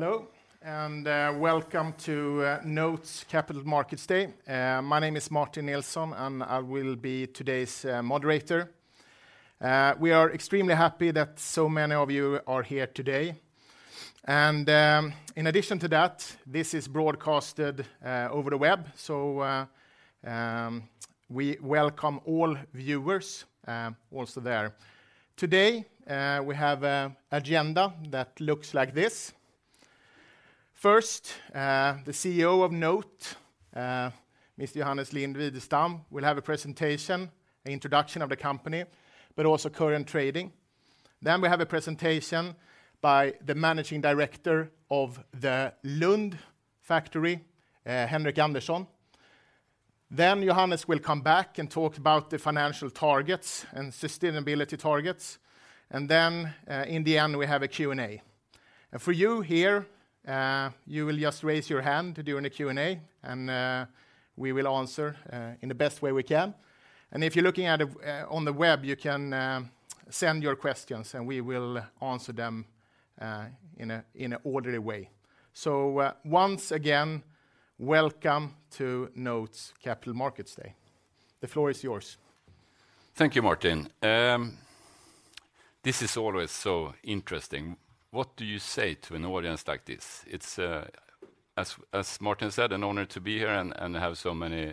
Hello, welcome to NOTE's Capital Markets Day. My name is Martin Nilsson, and I will be today's moderator. We are extremely happy that so many of you are here today. In addition to that, this is broadcasted over the web, so we welcome all viewers also there. Today, we have an agenda that looks like this. First, the CEO of NOTE, Mr. Johannes Lind-Widestam, will have a presentation, introduction of the company, but also current trading. We have a presentation by the Managing Director of the Lund factory, Henrik Andersson. Johannes will come back and talk about the financial targets and sustainability targets. In the end, we have a Q&A. For you here, you will just raise your hand to do an Q&A, and we will answer in the best way we can. If you're looking at it, on the web, you can send your questions, and we will answer them in a orderly way. Once again, welcome to NOTE's Capital Markets Day. The floor is yours. Thank you, Martin. This is always so interesting. What do you say to an audience like this? It's, as Martin said, an honor to be here and have so many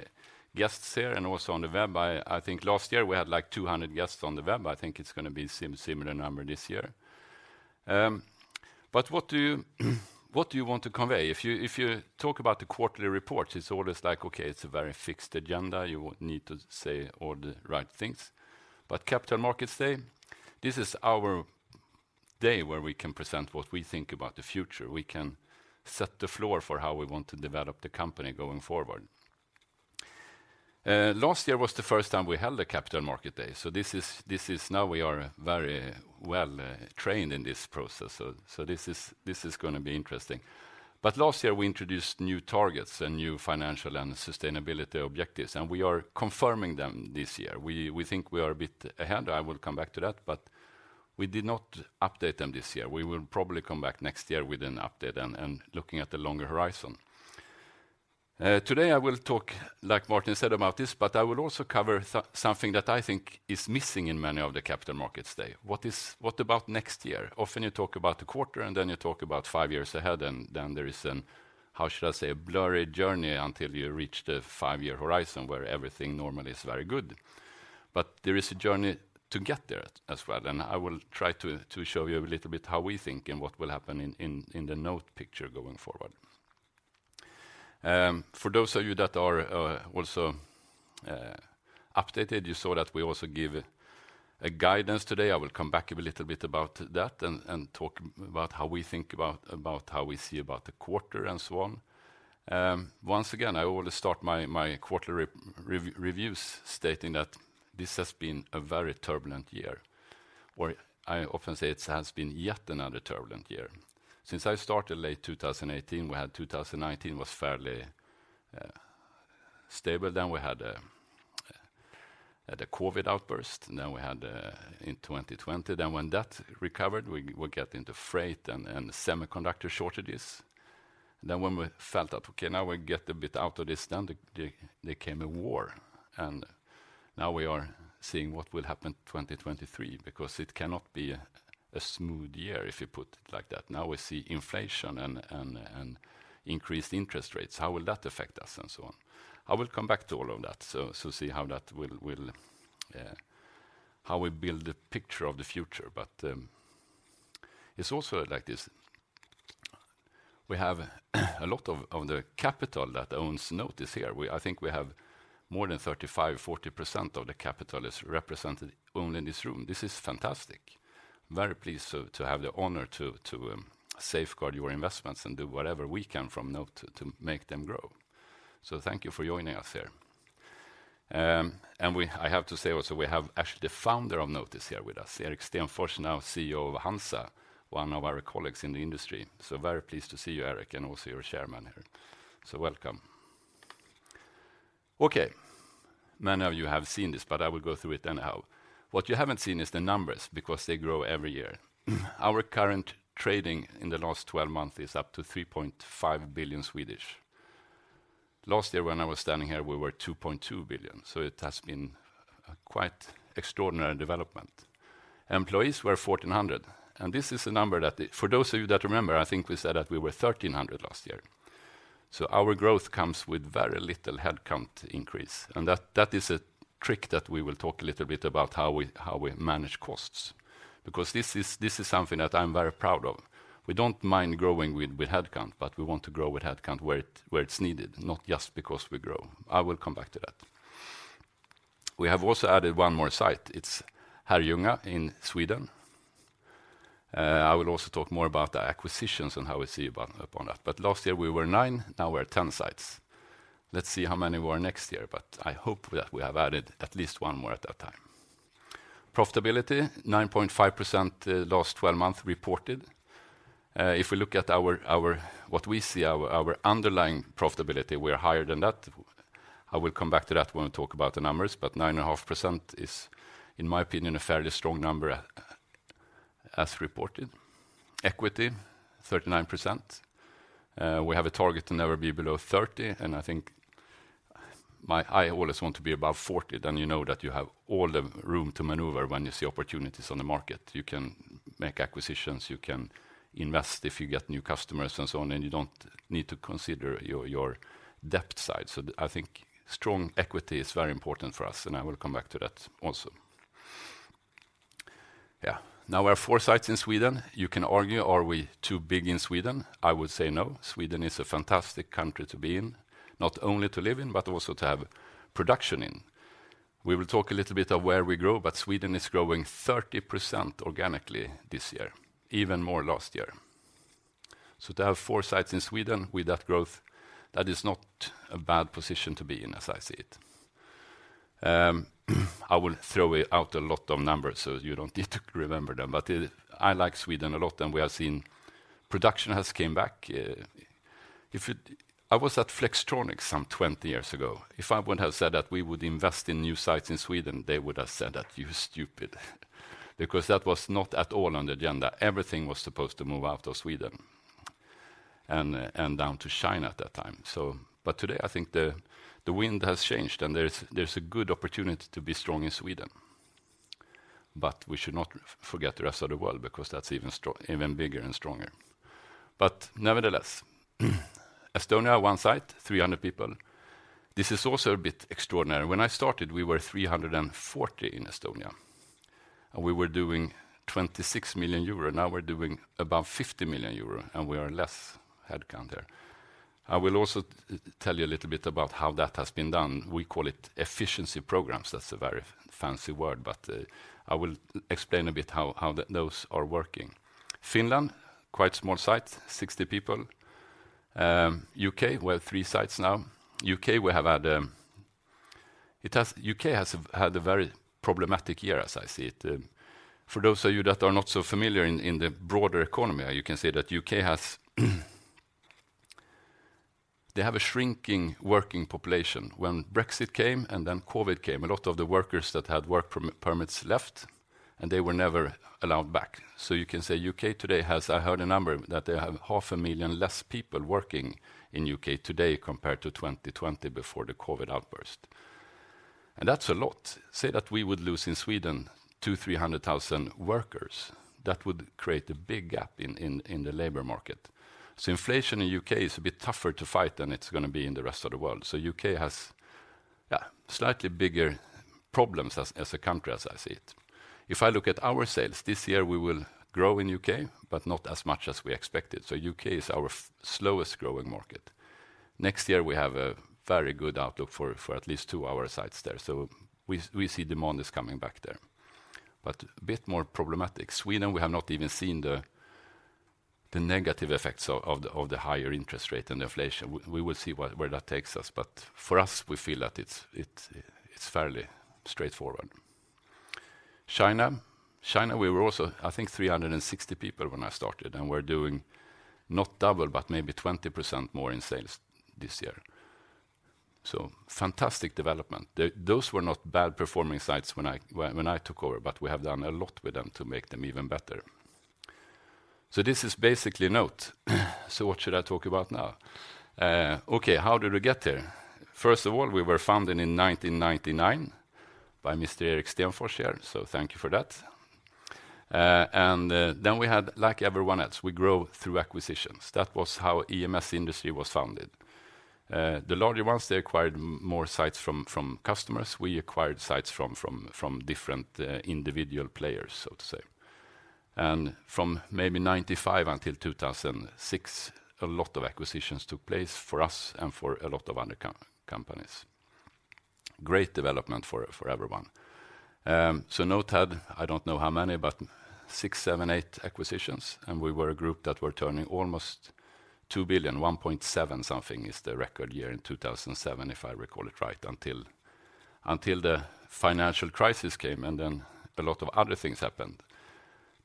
guests here and also on the web. I think last year we had, like, 200 guests on the web. I think it's gonna be similar number this year. What do you want to convey? If you talk about the quarterly report, it's always like, okay, it's a very fixed agenda, you need to say all the right things. Capital Markets Day, this is our day where we can present what we think about the future. We can set the floor for how we want to develop the company going forward. Last year was the first time we held a Capital Market Day, so this is now we are very well trained in this process, so this is gonna be interesting. Last year, we introduced new targets and new financial and sustainability objectives, and we are confirming them this year. We think we are a bit ahead, I will come back to that, but we did not update them this year. We will probably come back next year with an update and looking at the longer horizon. Today, I will talk, like Martin said, about this, but I will also cover something that I think is missing in many of the Capital Markets Day. What about next year? Often you talk about the quarter, then you talk about five years ahead, then there is an, how should I say, a blurry journey until you reach the five-year horizon where everything normally is very good. There is a journey to get there as well. I will try to show you a little bit how we think and what will happen in the NOTE picture going forward. For those of you that are also updated, you saw that we also give a guidance today. I will come back a little bit about that and talk about how we think about how we see about the quarter and so on. Once again, I will start my quarterly reviews stating that this has been a very turbulent year, or I often say it has been yet another turbulent year. Since I started late 2018, we had 2019 was fairly stable. We had the COVID outburst. We had in 2020. When that recovered, we get into freight and semiconductor shortages. When we felt that, okay, now we get a bit out of this, there came a war, and we are seeing what will happen 2023, because it cannot be a smooth year, if you put it like that. We see inflation and increased interest rates. How will that affect us, and so on? I will come back to all of that, see how that will how we build the picture of the future. It's also like this. We have a lot of the capital that owns NOTE is here. I think we have more than 35%-40% of the capital is represented only in this room. This is fantastic. Very pleased to have the honor to safeguard your investments and do whatever we can from NOTE to make them grow. Thank you for joining us here. I have to say also we have actually the founder of NOTE is here with us, Erik Stenfors, now CEO of HANZA, one of our colleagues in the industry. Very pleased to see you, Erik, and also your chairman here. Welcome. Okay. Many of you have seen this. I will go through it anyhow. What you haven't seen is the numbers because they grow every year. Our current trading in the last 12 months is up to 3.5 billion. Last year when I was standing here, we were 2.2 billion. It has been a quite extraordinary development. Employees were 1,400. This is a number that, for those of you that remember, I think we said that we were 1,300 last year. Our growth comes with very little headcount increase, and that is a trick that we will talk a little bit about how we manage costs. This is something that I'm very proud of. We don't mind growing with headcount. We want to grow with headcount where it's needed, not just because we grow. I will come back to that. We have also added one more site. It's Herrljunga in Sweden. I will also talk more about the acquisitions and how we see upon that. Last year we were nine, now we're 10 sites. Let's see how many we are next year. I hope that we have added at least one more at that time. Profitability, 9.5%, last 12 months reported. If we look at our what we see our underlying profitability, we are higher than that. I will come back to that when we talk about the numbers. 9.5% is, in my opinion, a fairly strong number as reported. Equity, 39%. We have a target to never be below 30. I think I always want to be above 40, then you know that you have all the room to maneuver when you see opportunities on the market. You can make acquisitions, you can invest if you get new customers and so on. You don't need to consider your depth side. I think strong equity is very important for us, and I will come back to that also. Now we have four sites in Sweden. You can argue, are we too big in Sweden? I would say no. Sweden is a fantastic country to be in, not only to live in, but also to have production in. We will talk a little bit of where we grow. Sweden is growing 30% organically this year, even more last year. To have four sites in Sweden with that growth, that is not a bad position to be in, as I see it. I will throw out a lot of numbers, so you don't need to remember them. I like Sweden a lot, and we have seen production has came back. I was at Flextronics some 20 years ago. If I would have said that we would invest in new sites in Sweden, they would have said that you're stupid because that was not at all on the agenda. Everything was supposed to move out of Sweden and down to China at that time. Today, I think the wind has changed, and there's a good opportunity to be strong in Sweden. We should not forget the rest of the world because that's even bigger and stronger. Nevertheless, Estonia, one site, 300 people. This is also a bit extraordinary. When I started, we were 340 in Estonia, we were doing 26 million euro. Now we're doing above 50 million euro, we are less headcount there. I will also tell you a little bit about how that has been done. We call it efficiency programs. That's a very fancy word, but I will explain a bit how those are working. Finland, quite small site, 60 people. U.K., we have three sites now. U.K., we have had, U.K. has had a very problematic year as I see it. For those of you that are not so familiar in the broader economy, you can say that they have a shrinking working population. Brexit came and then COVID came, a lot of the workers that had work permits left, and they were never allowed back. You can say U.K. today has, I heard a number that they have half a million less people working in U.K. today compared to 2020 before the COVID outburst. That's a lot. Say that we would lose in Sweden 200,000-300,000 workers, that would create a big gap in the labor market. Inflation in U.K. is a bit tougher to fight than it's gonna be in the rest of the world. U.K. has, yeah, slightly bigger problems as a country, as I see it. If I look at our sales, this year we will grow in U.K., but not as much as we expected. U.K. is our slowest growing market. Next year, we have a very good outlook for at least two our sites there. We see demand is coming back there, but a bit more problematic. Sweden, we have not even seen the negative effects of the higher interest rate and inflation. We will see where that takes us. For us, we feel that it's fairly straightforward. China. China, we were also, I think, 360 people when I started, and we're doing not double, but maybe 20% more in sales this year. Fantastic development. Those were not bad performing sites when I took over, but we have done a lot with them to make them even better. This is basically NOTE. What should I talk about now? Okay, how did we get here? First of all, we were founded in 1999 by Mr. Erik Stenfors here, so thank you for that. We had, like everyone else, we grow through acquisitions. That was how EMS industry was founded. The larger ones, they acquired more sites from customers. We acquired sites from different individual players, so to say. From maybe 95 until 2006, a lot of acquisitions took place for us and for a lot of other companies. Great development for everyone. NOTE had, I don't know how many, but six, seven, eight acquisitions, and we were a group that were turning almost 2 billion, 1.7 billion something is the record year in 2007, if I recall it right, until the financial crisis came, and then a lot of other things happened.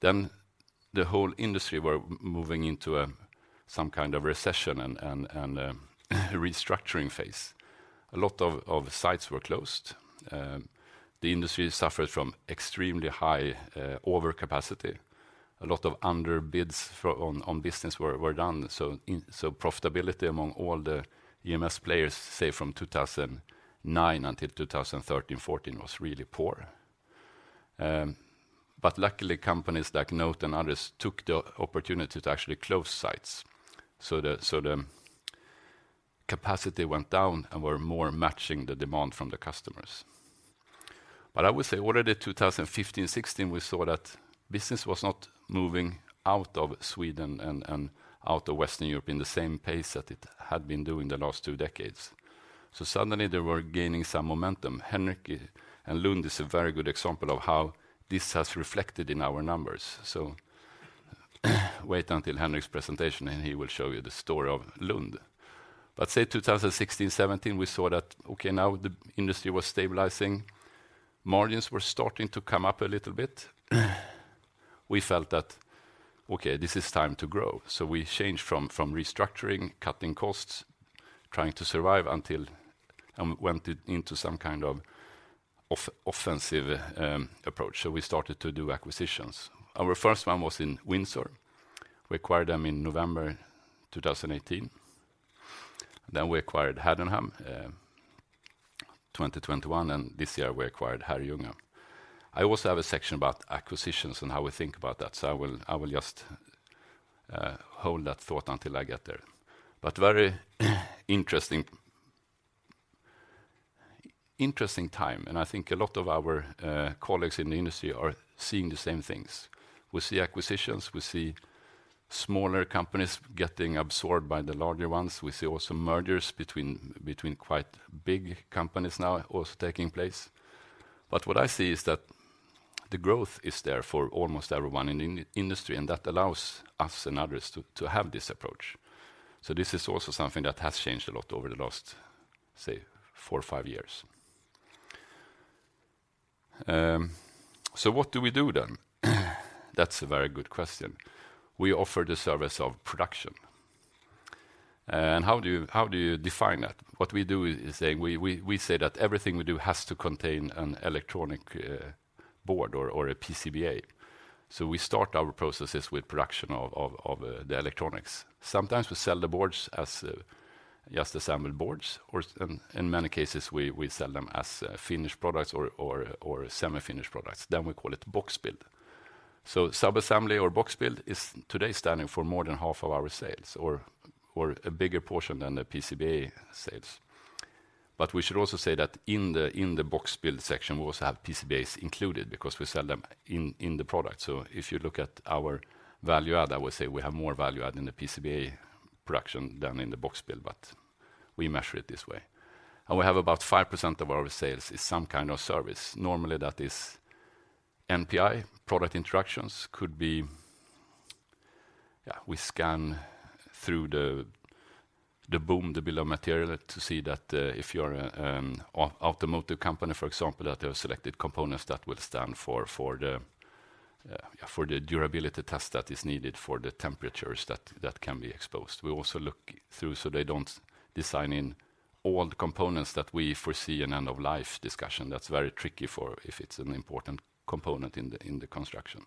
The whole industry were moving into some kind of recession and restructuring phase. A lot of sites were closed. The industry suffered from extremely high overcapacity. A lot of underbids on business were done. Profitability among all the EMS players, say from 2009 until 2013, 2014 was really poor. Luckily, companies like NOTE and others took the opportunity to actually close sites. The capacity went down and were more matching the demand from the customers. I would say already 2015, 2016, we saw that business was not moving out of Sweden and out of Western Europe in the same pace that it had been doing the last two decades. Suddenly, they were gaining some momentum. Henrik and Lund is a very good example of how this has reflected in our numbers. Wait until Henrik's presentation, and he will show you the story of Lund. Say 2016, 2017, we saw that, okay, now the industry was stabilizing. Margins were starting to come up a little bit. We felt that, okay, this is time to grow. We changed from restructuring, cutting costs, trying to survive until went into some kind of offensive approach. We started to do acquisitions. Our first one was in Windsor. We acquired them in November 2018. We acquired Haddenham, 2021, and this year we acquired Herrljunga. I also have a section about acquisitions and how we think about that, I will just hold that thought until I get there. Very interesting time, and I think a lot of our colleagues in the industry are seeing the same things. We see acquisitions, we see smaller companies getting absorbed by the larger ones. We see also mergers between quite big companies now also taking place. What I see is that the growth is there for almost everyone in industry, and that allows us and others to have this approach. This is also something that has changed a lot over the last, say, four-five years. What do we do then? That's a very good question. We offer the service of production. How do you define that? What we do is saying we say that everything we do has to contain an electronic board or a PCBA. We start our processes with production of the electronics. Sometimes we sell the boards as just assembled boards, or in many cases we sell them as finished products or semi-finished products. We call it box build. Sub-assembly or box build is today standing for more than half of our sales or a bigger portion than the PCBA sales. We should also say that in the box build section, we also have PCBAs included because we sell them in the product. If you look at our value add, I would say we have more value add in the PCBA production than in the box build, but we measure it this way. We have about 5% of our sales is some kind of service. Normally, that is NPI, product introductions. Could be... We scan through the bill of materials to see that if you're an automotive company, for example, that there are selected components that will stand for the durability test that is needed for the temperatures that can be exposed. We also look through so they don't design in old components that we foresee an end of life discussion. That's very tricky for if it's an important component in the construction.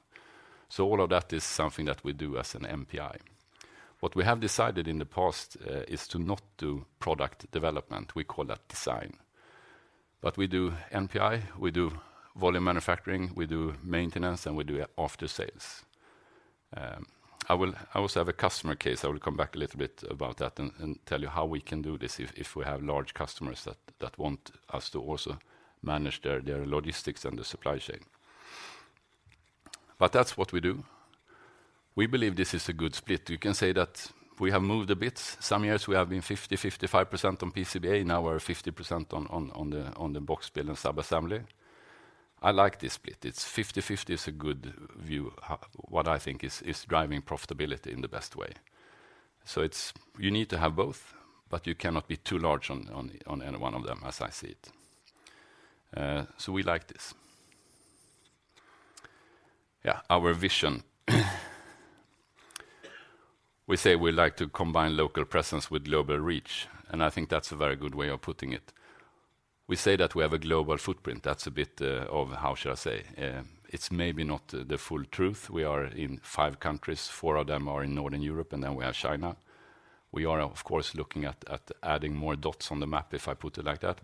All of that is something that we do as an NPI. What we have decided in the past is to not do product development. We call that design. We do NPI, we do volume manufacturing, we do maintenance, and we do aftersales. I also have a customer case. I will come back a little bit about that and tell you how we can do this if we have large customers that want us to also manage their logistics and the supply chain. That's what we do. We believe this is a good split. You can say that we have moved a bit. Some years we have been 50%-55% on PCBA. Now we're 50% on the box build and sub-assembly. I like this split. It's 50-50 is a good view what I think is driving profitability in the best way. It's, you need to have both, but you cannot be too large on any one of them as I see it. We like this. Yeah, our vision. We say we like to combine local presence with global reach, I think that's a very good way of putting it. We say that we have a global footprint. That's a bit of how should I say? It's maybe not the full truth. We are in five countries, four of them are in Northern Europe. Then we have China. We are of course looking at adding more dots on the map, if I put it like that.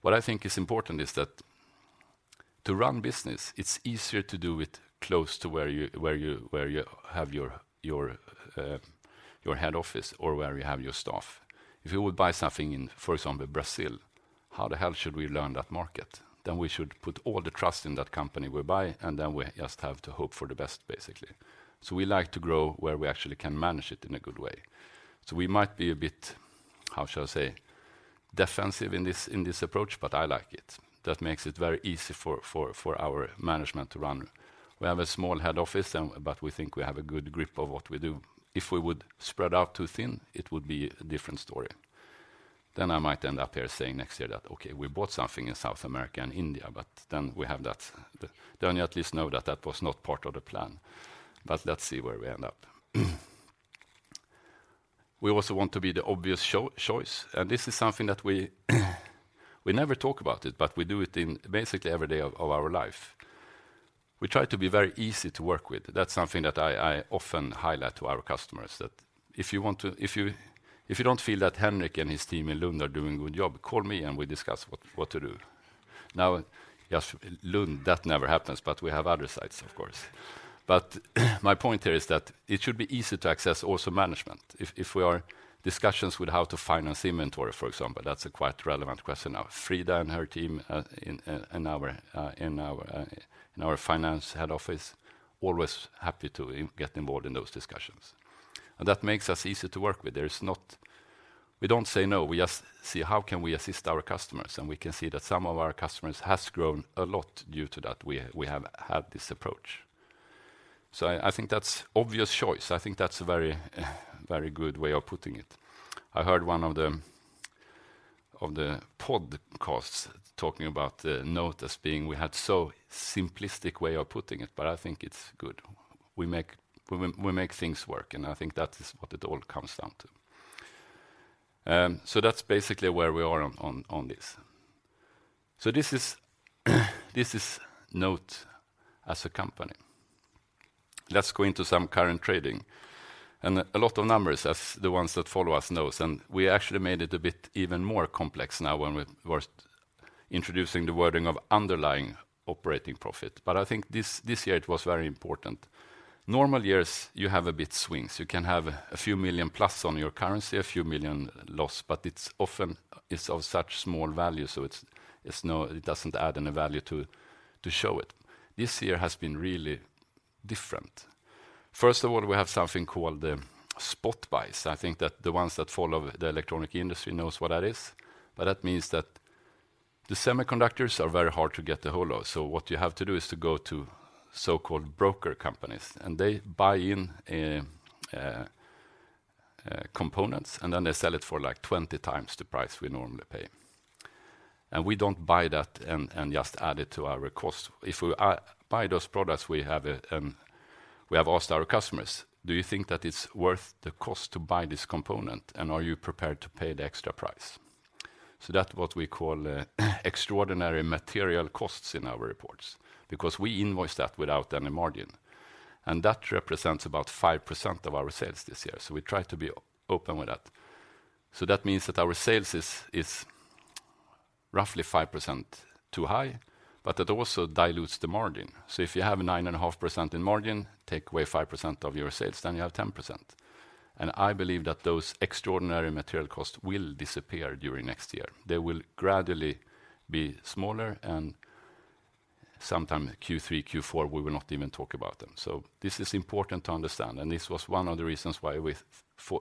What I think is important is that to run business, it's easier to do it close to where you have your head office or where you have your staff. If you would buy something in, for example, Brazil, how the hell should we learn that market? We should put all the trust in that company we buy, and then we just have to hope for the best, basically. We like to grow where we actually can manage it in a good way. We might be a bit, how should I say, defensive in this, in this approach, but I like it. That makes it very easy for our management to run. We have a small head office, but we think we have a good grip of what we do. If we would spread out too thin, it would be a different story. I might end up here saying next year that, "Okay, we bought something in South America and India," but then we have that. You at least know that that was not part of the plan. Let's see where we end up. We also want to be the obvious choice. This is something that we never talk about it, but we do it in basically every day of our life. We try to be very easy to work with. That's something that I often highlight to our customers that if you want to. If you don't feel that Henrik and his team in Lund are doing a good job, call me and we discuss what to do. Yes, Lund, that never happens, but we have other sites, of course. My point here is that it should be easy to access also management. If we are discussions with how to finance inventory, for example, that's a quite relevant question. Frida and her team in our finance head office, always happy to get involved in those discussions. That makes us easy to work with. There is not. We don't say no. We just see how can we assist our customers, and we can see that some of our customers has grown a lot due to that we have had this approach. I think that's obvious choice. I think that's a very, very good way of putting it. I heard one of the podcasts talking about the NOTE as being we had so simplistic way of putting it, I think it's good. We make things work, and I think that is what it all comes down to. That's basically where we are on this. This is NOTE as a company. Let's go into some current trading, a lot of numbers as the ones that follow us knows, we actually made it a bit even more complex now when we were introducing the wording of underlying operating profit. I think this year it was very important. Normal years, you have a bit swings. You can have a few million SEK plus on your currency, a few million SEK loss, it's often is of such small value, so it's, it doesn't add any value to show it. This year has been really different. First of all, we have something called the spot buys. I think that the ones that follow the electronic industry knows what that is. That means that the semiconductors are very hard to get a hold of. What you have to do is to go to so-called broker companies, and they buy in components, and then they sell it for like 20 times the price we normally pay. We don't buy that and just add it to our cost. If we buy those products, we have asked our customers, "Do you think that it's worth the cost to buy this component, and are you prepared to pay the extra price?" That what we call extraordinary material costs in our reports because we invoice that without any margin. That represents about 5% of our sales this year. We try to be open with that. That means that our sales is roughly 5% too high, but that also dilutes the margin. If you have 9.5% in margin, take away 5% of your sales, then you have 10%. I believe that those extraordinary material costs will disappear during next year. They will gradually be smaller, and sometime Q3, Q4, we will not even talk about them. This is important to understand, and this was one of the reasons why we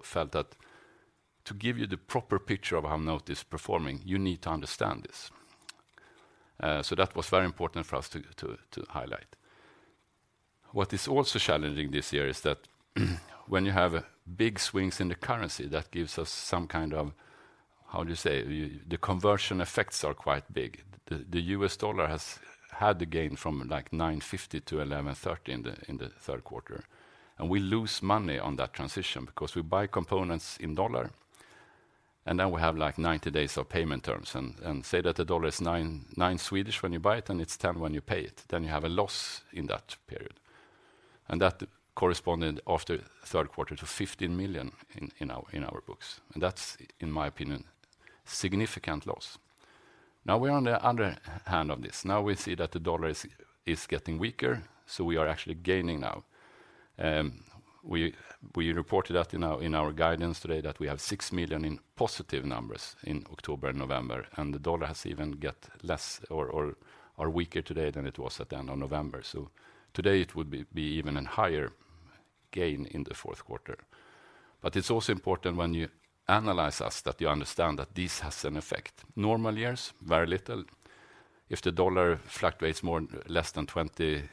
felt that to give you the proper picture of how NOTE is performing, you need to understand this. That was very important for us to highlight. What is also challenging this year is that when you have big swings in the currency, that gives us some kind of, how do you say? The conversion effects are quite big. The US dollar has had to gain from like $9.50-$11.30 in the third quarter. We lose money on that transition because we buy components in dollar, then we have like 90 days of payment terms and say that the US dollar is 9 when you buy it, and it's 10 when you pay it, then you have a loss in that period. That corresponded after third quarter to 15 million in our books. That's, in my opinion, significant loss. Now we're on the other hand of this. Now we see that the US dollar is getting weaker, so we are actually gaining now. We reported that in our guidance today that we have 6 million in positive numbers in October and November, the US dollar has even got less or weaker today than it was at the end of November. Today it would be even a higher gain in the fourth quarter. It's also important when you analyze us that you understand that this has an effect. Normal years, very little. If the US dollar fluctuates more, less than 20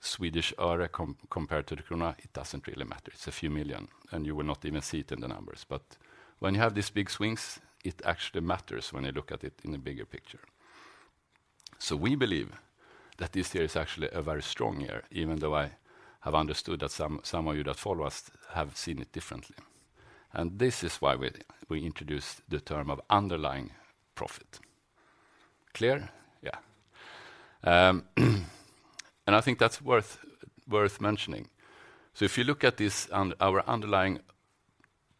Swedish öre compared to the Swedish krona, it doesn't really matter. It's a few million, you will not even see it in the numbers. When you have these big swings, it actually matters when you look at it in a bigger picture. We believe that this year is actually a very strong year, even though I have understood that some of you that follow us have seen it differently. This is why we introduced the term of underlying profit. Clear? Yeah. I think that's worth mentioning. If you look at this our underlying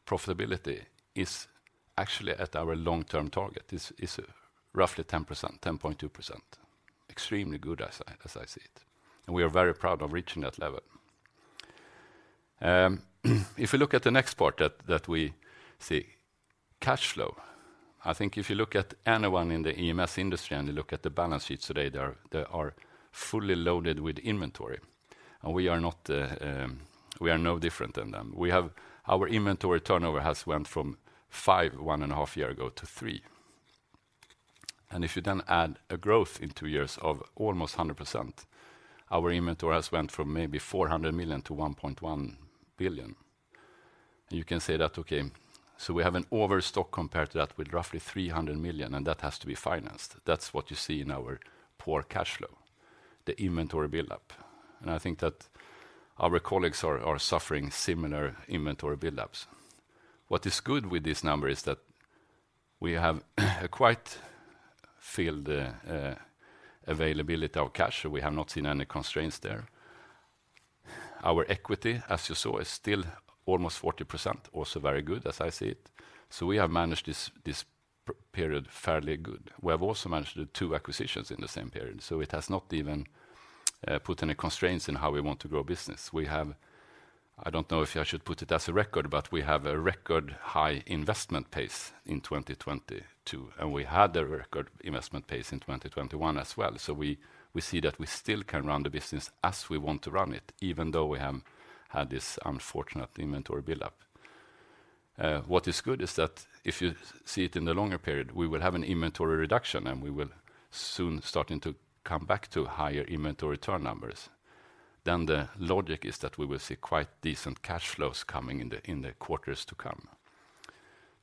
profitability is actually at our long-term target. It's roughly 10%, 10.2%. Extremely good as I see it, we are very proud of reaching that level. If you look at the next part that we see, cash flow. I think if you look at anyone in the EMS industry and you look at the balance sheets today, they are fully loaded with inventory. We are no different than them. We have our inventory turnover has went from five 1.5 years ago to three. If you add a growth in two years of almost 100%, our inventory has went from maybe 400 million-1.1 billion. You can say that, okay, we have an overstock compared to that with roughly 300 million, that has to be financed. That's what you see in our poor cash flow, the inventory buildup. I think that our colleagues are suffering similar inventory buildups. What is good with this number is that we have a quite filled availability of cash. We have not seen any constraints there. Our equity, as you saw, is still almost 40%, also very good as I see it. We have managed this period fairly good. We have also managed two acquisitions in the same period, it has not even put any constraints in how we want to grow business. We have, I don't know if I should put it as a record, but we have a record high investment pace in 2022, and we had a record investment pace in 2021 as well. We see that we still can run the business as we want to run it, even though we have had this unfortunate inventory buildup. What is good is that if you see it in the longer period, we will have an inventory reduction, and we will soon starting to come back to higher inventory turn numbers. The logic is that we will see quite decent cash flows coming in the quarters to come.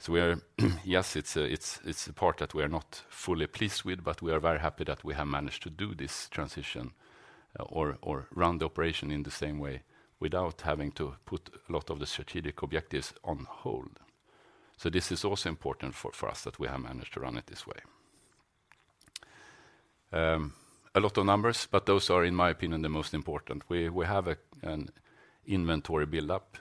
We are, yes, it's a, it's a part that we are not fully pleased with, but we are very happy that we have managed to do this transition or run the operation in the same way without having to put a lot of the strategic objectives on hold. This is also important for us that we have managed to run it this way. A lot of numbers, but those are, in my opinion, the most important. We have an inventory build-up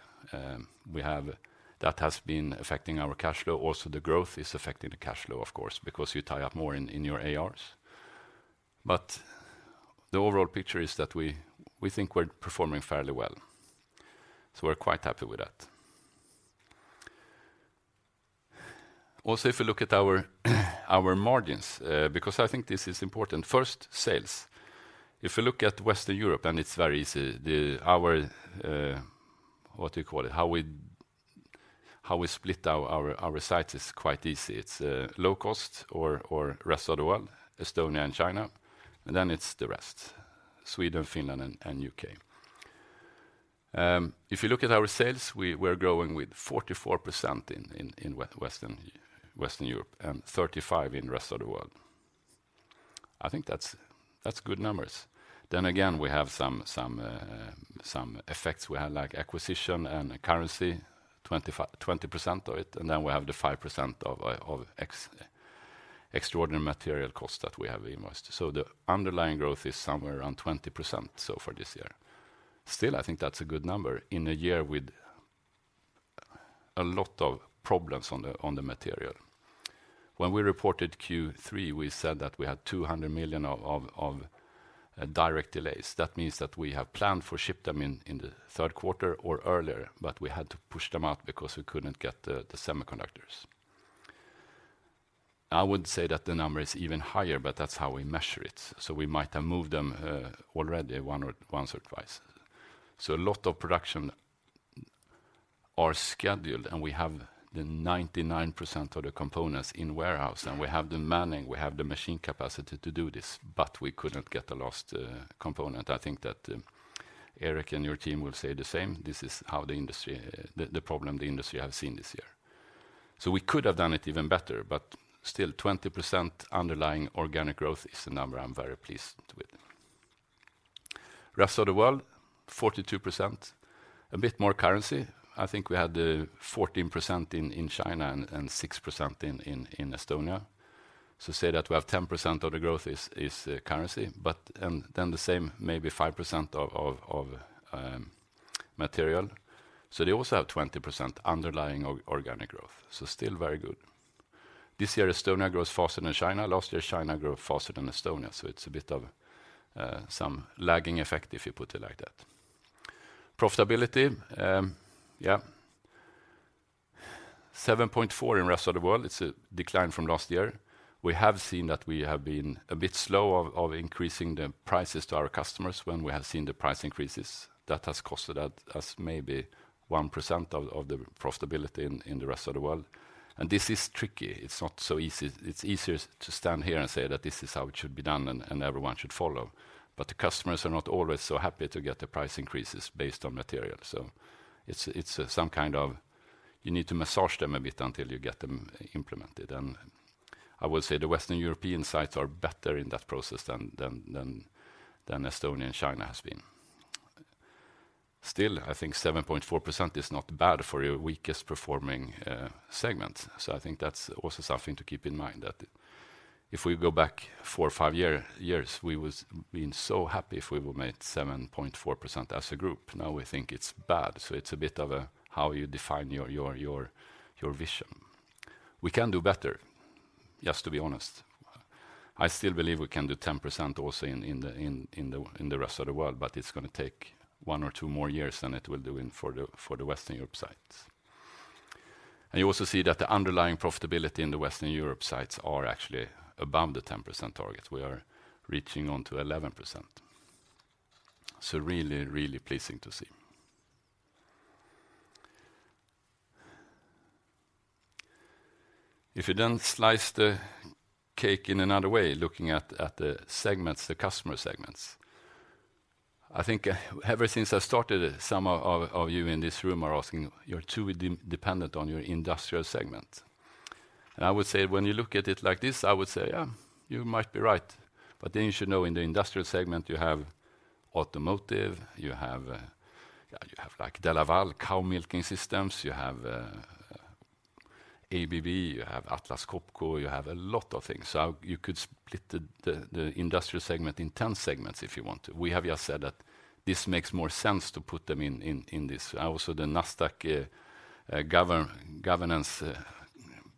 that has been affecting our cash flow. Also, the growth is affecting the cash flow, of course, because you tie up more in your ARs. The overall picture is that we think we're performing fairly well, so we're quite happy with that. If you look at our margins, because I think this is important. First, sales. If you look at Western Europe, it's very easy, our what do you call it? How we split our sites is quite easy. It's low cost or rest of the world, Estonia and China, then it's the rest, Sweden, Finland, and U.K. If you look at our sales, we're growing with 44% in Western Europe and 35% in rest of the world. I think that's good numbers. Again, we have some effects. We have, like, acquisition and currency, 20% of it, we have the 5% of extraordinary material costs that we have invested. The underlying growth is somewhere around 20% so far this year. Still, I think that's a good number in a year with a lot of problems on the material. When we reported Q3, we said that we had 200 million of direct delays. That means that we have planned for ship them in the third quarter or earlier, but we had to push them out because we couldn't get the semiconductors. I would say that the number is even higher, but that's how we measure it. We might have moved them already once or twice. A lot of production are scheduled, and we have the 99% of the components in warehouse, and we have the manning, we have the machine capacity to do this, but we couldn't get the last component. I think that Erik and your team will say the same. This is how the problem the industry have seen this year. We could have done it even better, but still, 20% underlying organic growth is a number I'm very pleased with. Rest of the world, 42%. A bit more currency. I think we had 14% in China and 6% in Estonia. Say that we have 10% of the growth is currency, and then the same, maybe 5% of material. They also have 20% underlying organic growth. Still very good. This year, Estonia grows faster than China. Last year, China grew faster than Estonia, so it's a bit of some lagging effect, if you put it like that. Profitability, yeah. 7.4% in rest of the world. It's a decline from last year. We have seen that we have been a bit slow of increasing the prices to our customers when we have seen the price increases. That has costed us maybe 1% of the profitability in the rest of the world. This is tricky. It's not so easy. It's easier to stand here and say that this is how it should be done and everyone should follow. The customers are not always so happy to get the price increases based on material. It's some kind of you need to massage them a bit until you get them implemented. I would say the Western European sites are better in that process than Estonia and China has been. I think 7.4% is not bad for a weakest performing segment. I think that's also something to keep in mind that if we go back 4 or 5 years, we was being so happy if we would have made 7.4% as a group. Now we think it's bad. It's a bit of a how you define your, your vision. We can do better, just to be honest. I still believe we can do 10% also in the, in the, in the rest of the world, but it's gonna take 1 or 2 more years than it will do for the, for the Western Europe sites. You also see that the underlying profitability in the Western Europe sites are actually above the 10% target. We are reaching on to 11%. Really, really pleasing to see. If you slice the cake in another way, looking at the segments, the customer segments. I think ever since I started, some of you in this room are asking, "You're too dependent on your industrial segment." I would say when you look at it like this, I would say, "Yeah, you might be right." You should know in the industrial segment, you have automotive, you have, like, DeLaval cow milking systems, you have ABB, you have Atlas Copco, you have a lot of things. You could split the industrial segment in 10 segments if you want to. We have just said that this makes more sense to put them in this. The Nasdaq governance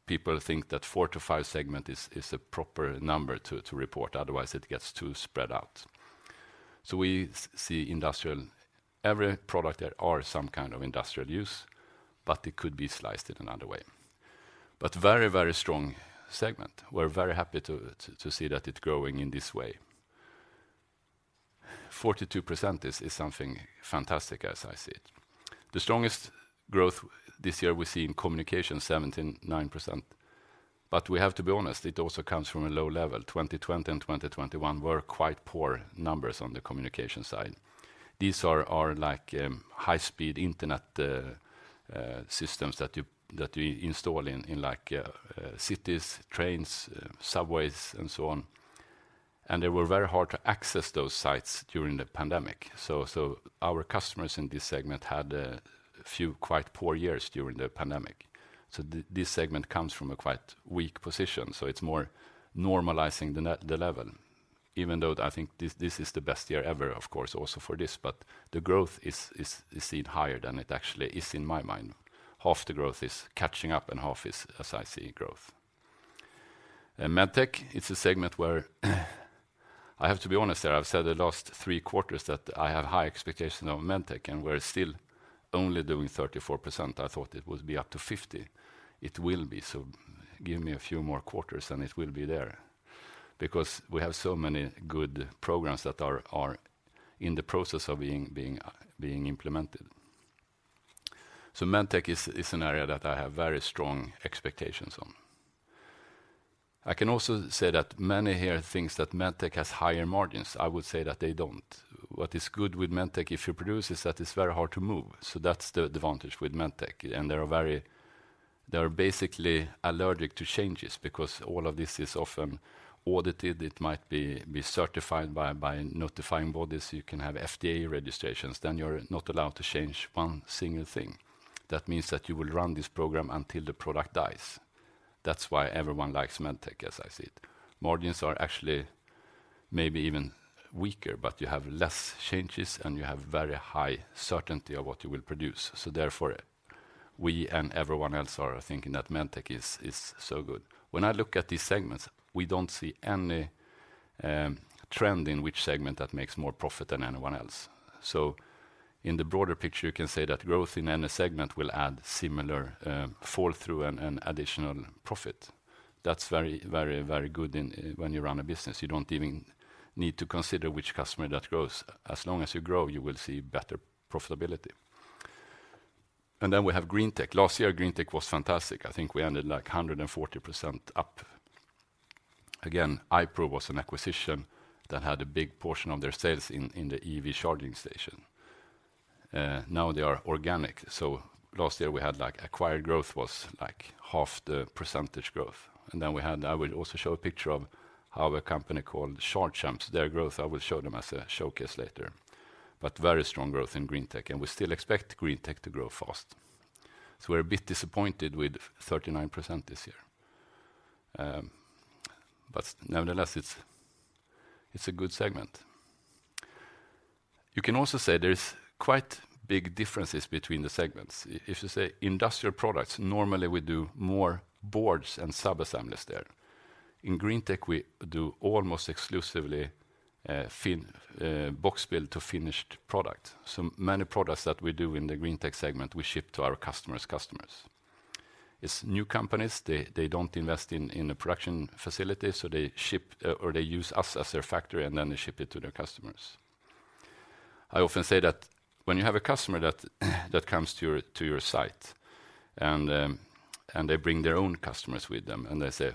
people think that four-five segments is a proper number to report. Otherwise, it gets too spread out. We see industrial every product, there are some kind of industrial use, but it could be sliced in another way. Very strong segment. We're very happy to see that it's growing in this way. 42% is something fantastic as I see it. The strongest growth this year we see in communication, 79%. We have to be honest, it also comes from a low level. 2020 and 2021 were quite poor numbers on the communication side. These are like high-speed internet systems that you install in cities, trains, subways, and so on. They were very hard to access those sites during the pandemic. Our customers in this segment had a few quite poor years during the pandemic. This segment comes from a quite weak position, it's more normalizing the level. Even though I think this is the best year ever, of course, also for this. The growth is seen higher than it actually is in my mind. Half the growth is catching up and half is, as I see, growth. MedTech, it's a segment where I have to be honest there, I've said the last three quarters that I have high expectations of MedTech, we're still only doing 34%. I thought it would be up to 50%. It will be, give me a few more quarters, it will be there. We have so many good programs that are in the process of being implemented. MedTech is an area that I have very strong expectations on. I can also say that many here thinks that MedTech has higher margins. I would say that they don't. What is good with MedTech, if you produce, is that it's very hard to move. That's the advantage with MedTech. They are basically allergic to changes because all of this is often audited. It might be certified by notifying bodies. You can have FDA registrations, you're not allowed to change one single thing. That means that you will run this program until the product dies. That's why everyone likes MedTech, as I see it. Margins are actually maybe even weaker, you have less changes, and you have very high certainty of what you will produce. Therefore, we and everyone else are thinking that MedTech is so good. When I look at these segments, we don't see any trend in which segment that makes more profit than anyone else. In the broader picture, you can say that growth in any segment will add similar fall-through and additional profit. That's very good when you run a business. You don't even need to consider which customer that grows. As long as you grow, you will see better profitability. We have Greentech. Last year, Greentech was fantastic. I think we ended like 140% up. Again, iPRO was an acquisition that had a big portion of their sales in the EV charging station. Now they are organic. Last year, we had like acquired growth was like half the % growth. I will also show a picture of how a company called Charge Amps, their growth, I will show them as a showcase later. Very strong growth in Greentech, and we still expect Greentech to grow fast. We're a bit disappointed with 39% this year. Nevertheless, it's a good segment. You can also say there is quite big differences between the segments. If you say industrial products, normally we do more boards and subassemblies there. In Greentech, we do almost exclusively box build to finished product. Many products that we do in the Greentech segment, we ship to our customers. It's new companies, they don't invest in a production facility, they ship or they use us as their factory, they ship it to their customers. I often say that when you have a customer that comes to your site, They bring their own customers with them. They say,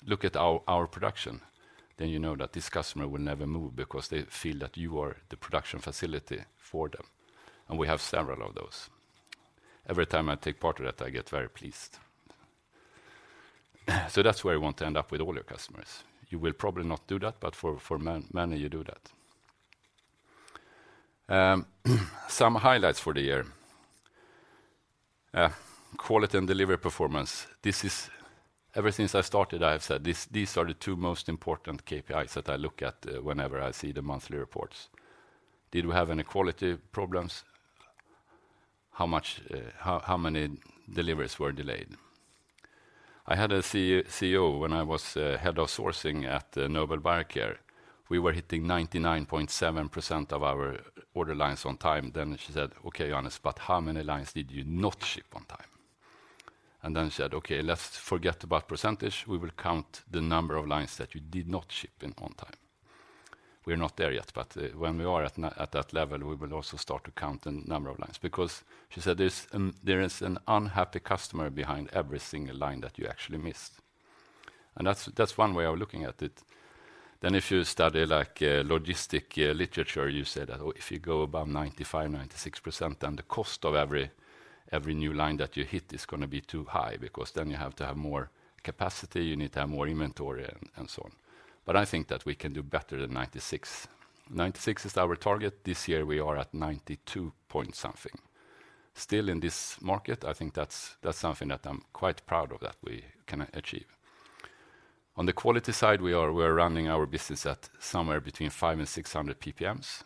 "Look at our production," then you know that this customer will never move because they feel that you are the production facility for them. We have several of those. Every time I take part of that, I get very pleased. That's where you want to end up with all your customers. You will probably not do that, but for many, you do that. Some highlights for the year. Quality and delivery performance. Ever since I started, I have said this, these are the two most important KPIs that I look at whenever I see the monthly reports. Did we have any quality problems? How much, how many deliveries were delayed? I had a CEO when I was head of sourcing at Nobel Biocare. We were hitting 99.7% of our order lines on time. She said, "Okay, Johannes, but how many lines did you not ship on time?" She said, "Okay, let's forget about percentage. We will count the number of lines that you did not ship in on time." We're not there yet, but when we are at that level, we will also start to count the number of lines. She said, "There is an unhappy customer behind every single line that you actually missed." That's one way of looking at it. If you study like logistic literature, you say that, oh, if you go above 95%, 96%, then the cost of every new line that you hit is gonna be too high because then you have to have more capacity, you need to have more inventory and so on. I think that we can do better than 96%. 96% is our target. This year, we are at 92 point something. Still in this market, I think that's something that I'm quite proud of that we can achieve. On the quality side, we are running our business at somewhere between 500 and 600 PPMs.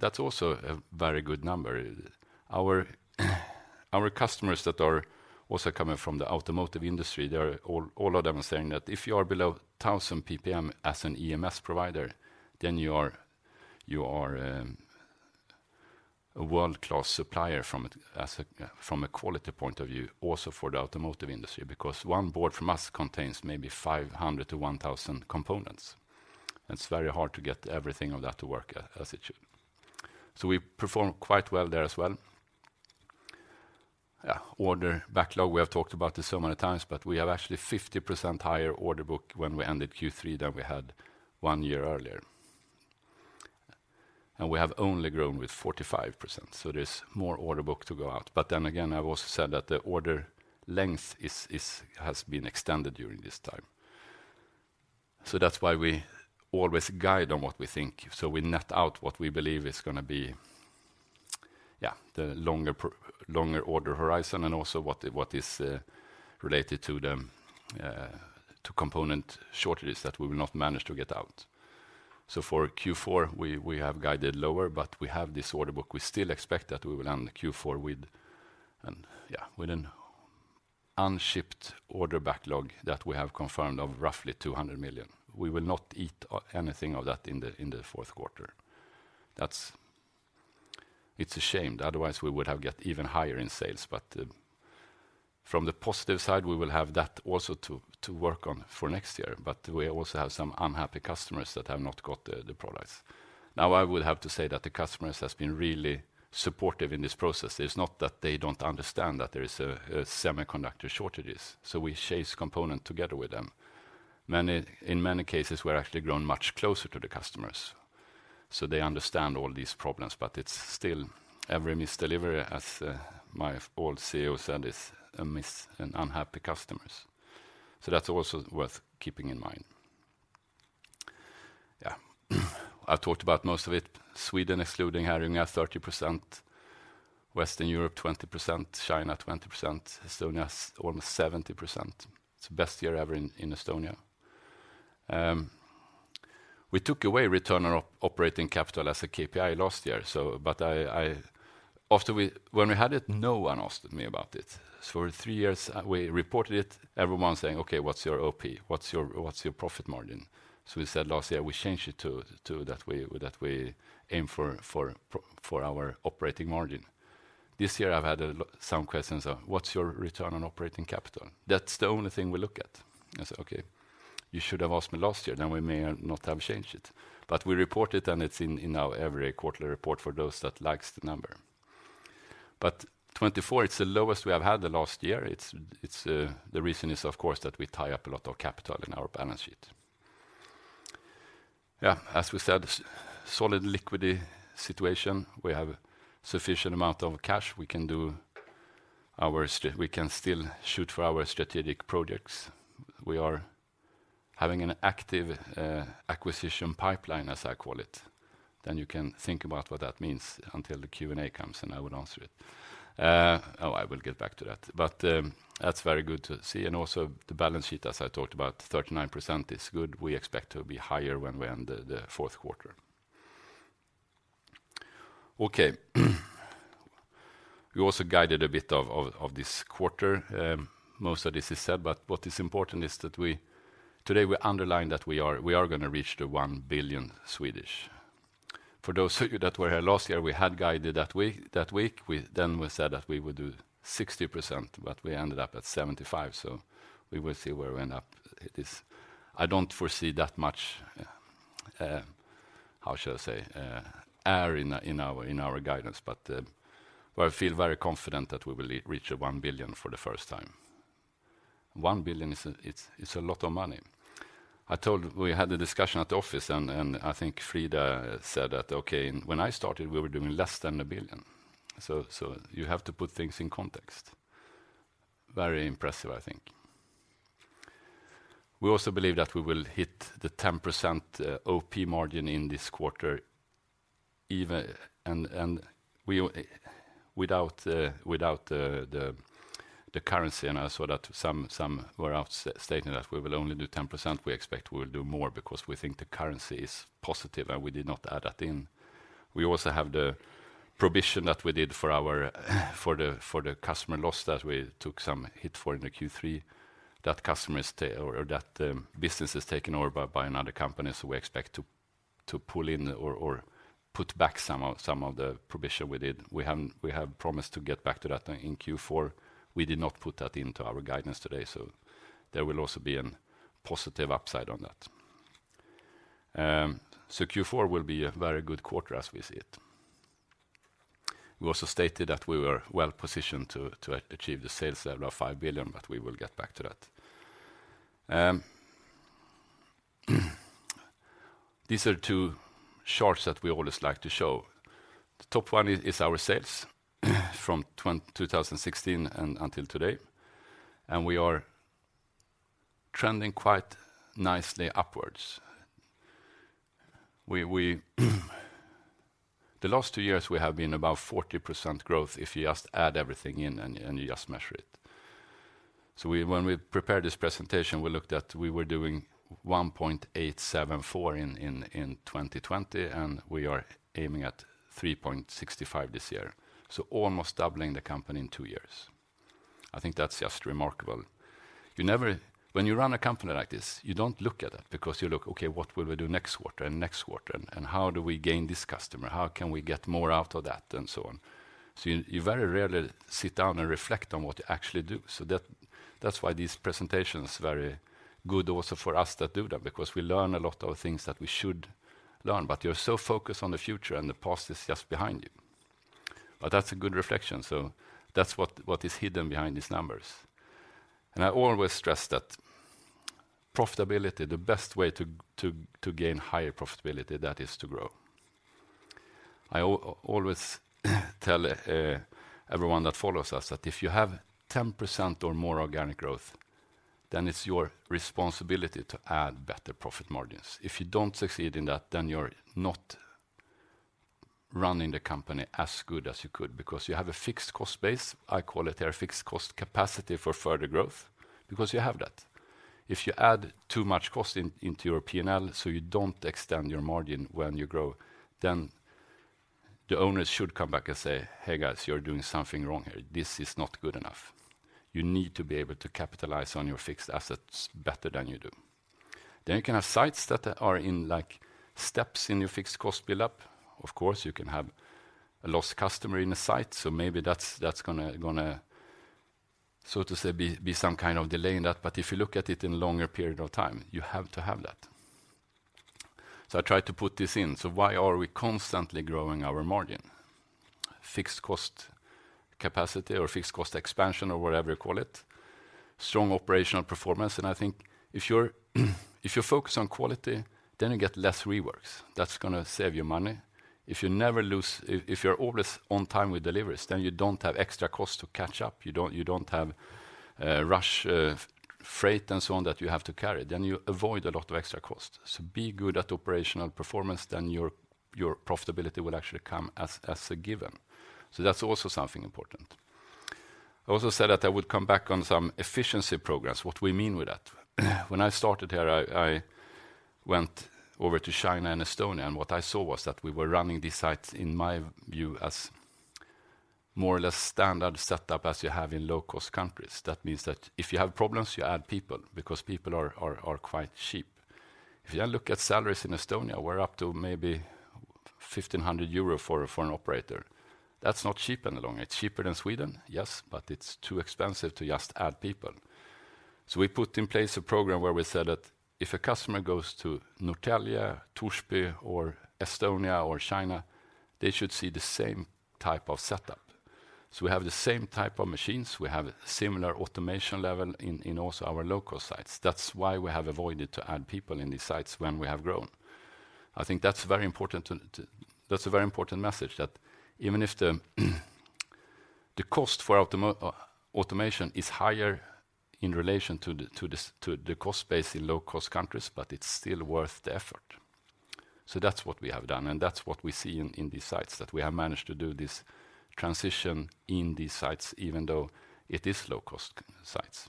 That's also a very good number. Our customers that are also coming from the automotive industry, they are all of them are saying that if you are below 1,000 PPM as an EMS provider, then you are a world-class supplier from a quality point of view, also for the automotive industry, because one board from us contains maybe 500-1,000 components. It's very hard to get everything of that to work as it should. We perform quite well there as well. Order backlog, we have talked about this so many times, but we have actually 50% higher order book when we ended Q3 than we had one year earlier. We have only grown with 45%, there's more order book to go out. Again, I've also said that the order length is has been extended during this time. That's why we always guide on what we think. We net out what we believe is going to be, the longer order horizon and also what is related to the component shortages that we will not manage to get out. For Q4, we have guided lower, but we have this order book. We still expect that we will end Q4 with an unshipped order backlog that we have confirmed of roughly 200 million. We will not eat anything of that in the fourth quarter. It's a shame. Otherwise, we would have got even higher in sales. From the positive side, we will have that also to work on for next year. We also have some unhappy customers that have not got the products. Now, I would have to say that the customers has been really supportive in this process. It's not that they don't understand that there is a semiconductor shortages. We chase component together with them. In many cases, we're actually grown much closer to the customers. They understand all these problems. It's still every misdelivery, as my old CEO said, is a miss and unhappy customers. That's also worth keeping in mind. Yeah. I've talked about most of it. Sweden excluding Härnösand, 30%, Western Europe, 20%, China, 20%, Estonia, almost 70%. It's the best year ever in Estonia. We took away return on operating capital as a KPI last year, so but I, when we had it, no one asked me about it. For three years, we reported it, everyone saying, "Okay, what's your OP? What's your profit margin?" We said last year, we changed it to that we aim for our operating margin. This year, I've had some questions of, "What's your return on operating capital? That's the only thing we look at." I said, "Okay, you should have asked me last year, then we may not have changed it." We report it, and it's in our every quarterly report for those that likes the number. 24, it's the lowest we have had the last year. It's the reason is, of course, that we tie up a lot of capital in our balance sheet. Yeah, as we said, solid liquidity situation. We have sufficient amount of cash. We can still shoot for our strategic projects. We are having an active acquisition pipeline, as I call it. You can think about what that means until the Q&A comes, and I will answer it. I will get back to that. That's very good to see. Also the balance sheet, as I talked about, 39% is good. We expect to be higher when we end the fourth quarter. Okay. We also guided a bit of this quarter. Most of this is said. What is important is that today we underline that we are going to reach the 1 billion. For those of you that were here last year, we had guided that week. We then said that we would do 60%, but we ended up at 75%. We will see where we end up. I don't foresee that much, how should I say, air in our guidance. I feel very confident that we will re-reach the 1 billion for the first time. 1 billion it's a lot of money. We had a discussion at the office and I think Frida said that, "Okay, when I started, we were doing less than a billion." You have to put things in context. Very impressive, I think. We also believe that we will hit the 10% OP margin in this quarter even and without the currency and I saw that some were out stating that we will only do 10%. We expect we will do more because we think the currency is positive, and we did not add that in. We also have the provision that we did for our customer loss that we took some hit for in the Q3, that customers or that business is taken over by another company. We expect to pull in or put back some of the provision we did. We have promised to get back to that in Q4. We did not put that into our guidance today. There will also be an positive upside on that. Q4 will be a very good quarter as we see it. We also stated that we were well-positioned to achieve the sales level of 5 billion. We will get back to that. These are two charts that we always like to show. The top one is our sales from 2016 until today, and we are trending quite nicely upwards. We, the last two years, we have been about 40% growth if you just add everything in and you just measure it. When we prepared this presentation, we looked at we were doing 1.874 billion in 2020, and we are aiming at 3.65 billion this year. Almost doubling the company in two years. I think that's just remarkable. When you run a company like this, you don't look at it because you look, okay, what will we do next quarter and next quarter, and how do we gain this customer? How can we get more out of that? And so on. You very rarely sit down and reflect on what you actually do. That's why this presentation is very good also for us that do that because we learn a lot of things that we should learn, but you're so focused on the future, and the past is just behind you. That's a good reflection, so that's what is hidden behind these numbers. I always stress that profitability, the best way to gain higher profitability, that is to grow. I always tell everyone that follows us that if you have 10% or more organic growth, then it's your responsibility to add better profit margins. If you don't succeed in that, then you're not running the company as good as you could because you have a fixed cost base. I call it a fixed cost capacity for further growth because you have that. If you add too much cost into your P&L, so you don't extend your margin when you grow, then the owners should come back and say, "Hey, guys, you're doing something wrong here. This is not good enough." You need to be able to capitalize on your fixed assets better than you do. You can have sites that are in, like, steps in your fixed cost build-up. You can have a lost customer in a site, maybe that's gonna, so to say, be some kind of delay in that. If you look at it in longer period of time, you have to have that. I tried to put this in. Why are we constantly growing our margin? Fixed cost capacity or fixed cost expansion or whatever you call it, strong operational performance, I think if you focus on quality, then you get less reworks. That's gonna save you money. If you're always on time with deliveries, then you don't have extra costs to catch up. You don't have rush freight and so on that you have to carry. You avoid a lot of extra costs. Be good at operational performance, then your profitability will actually come as a given. That's also something important. I also said that I would come back on some efficiency programs, what we mean with that. When I started here, I went over to China and Estonia, and what I saw was that we were running these sites, in my view, as more or less standard setup as you have in low-cost countries. That means that if you have problems, you add people because people are quite cheap. If you look at salaries in Estonia, we're up to maybe 1,500 euro for an operator. That's not cheap in the long run. It's cheaper than Sweden, yes. It's too expensive to just add people. We put in place a program where we said that if a customer goes to Norrtälje, Torsby or Estonia or China, they should see the same type of setup. We have the same type of machines, we have similar automation level in also our local sites. That's why we have avoided to add people in these sites when we have grown. I think that's very important. That's a very important message that even if the cost for automation is higher in relation to this, to the cost base in low-cost countries, but it's still worth the effort. That's what we have done, and that's what we see in these sites, that we have managed to do this transition in these sites, even though it is low-cost c-sites.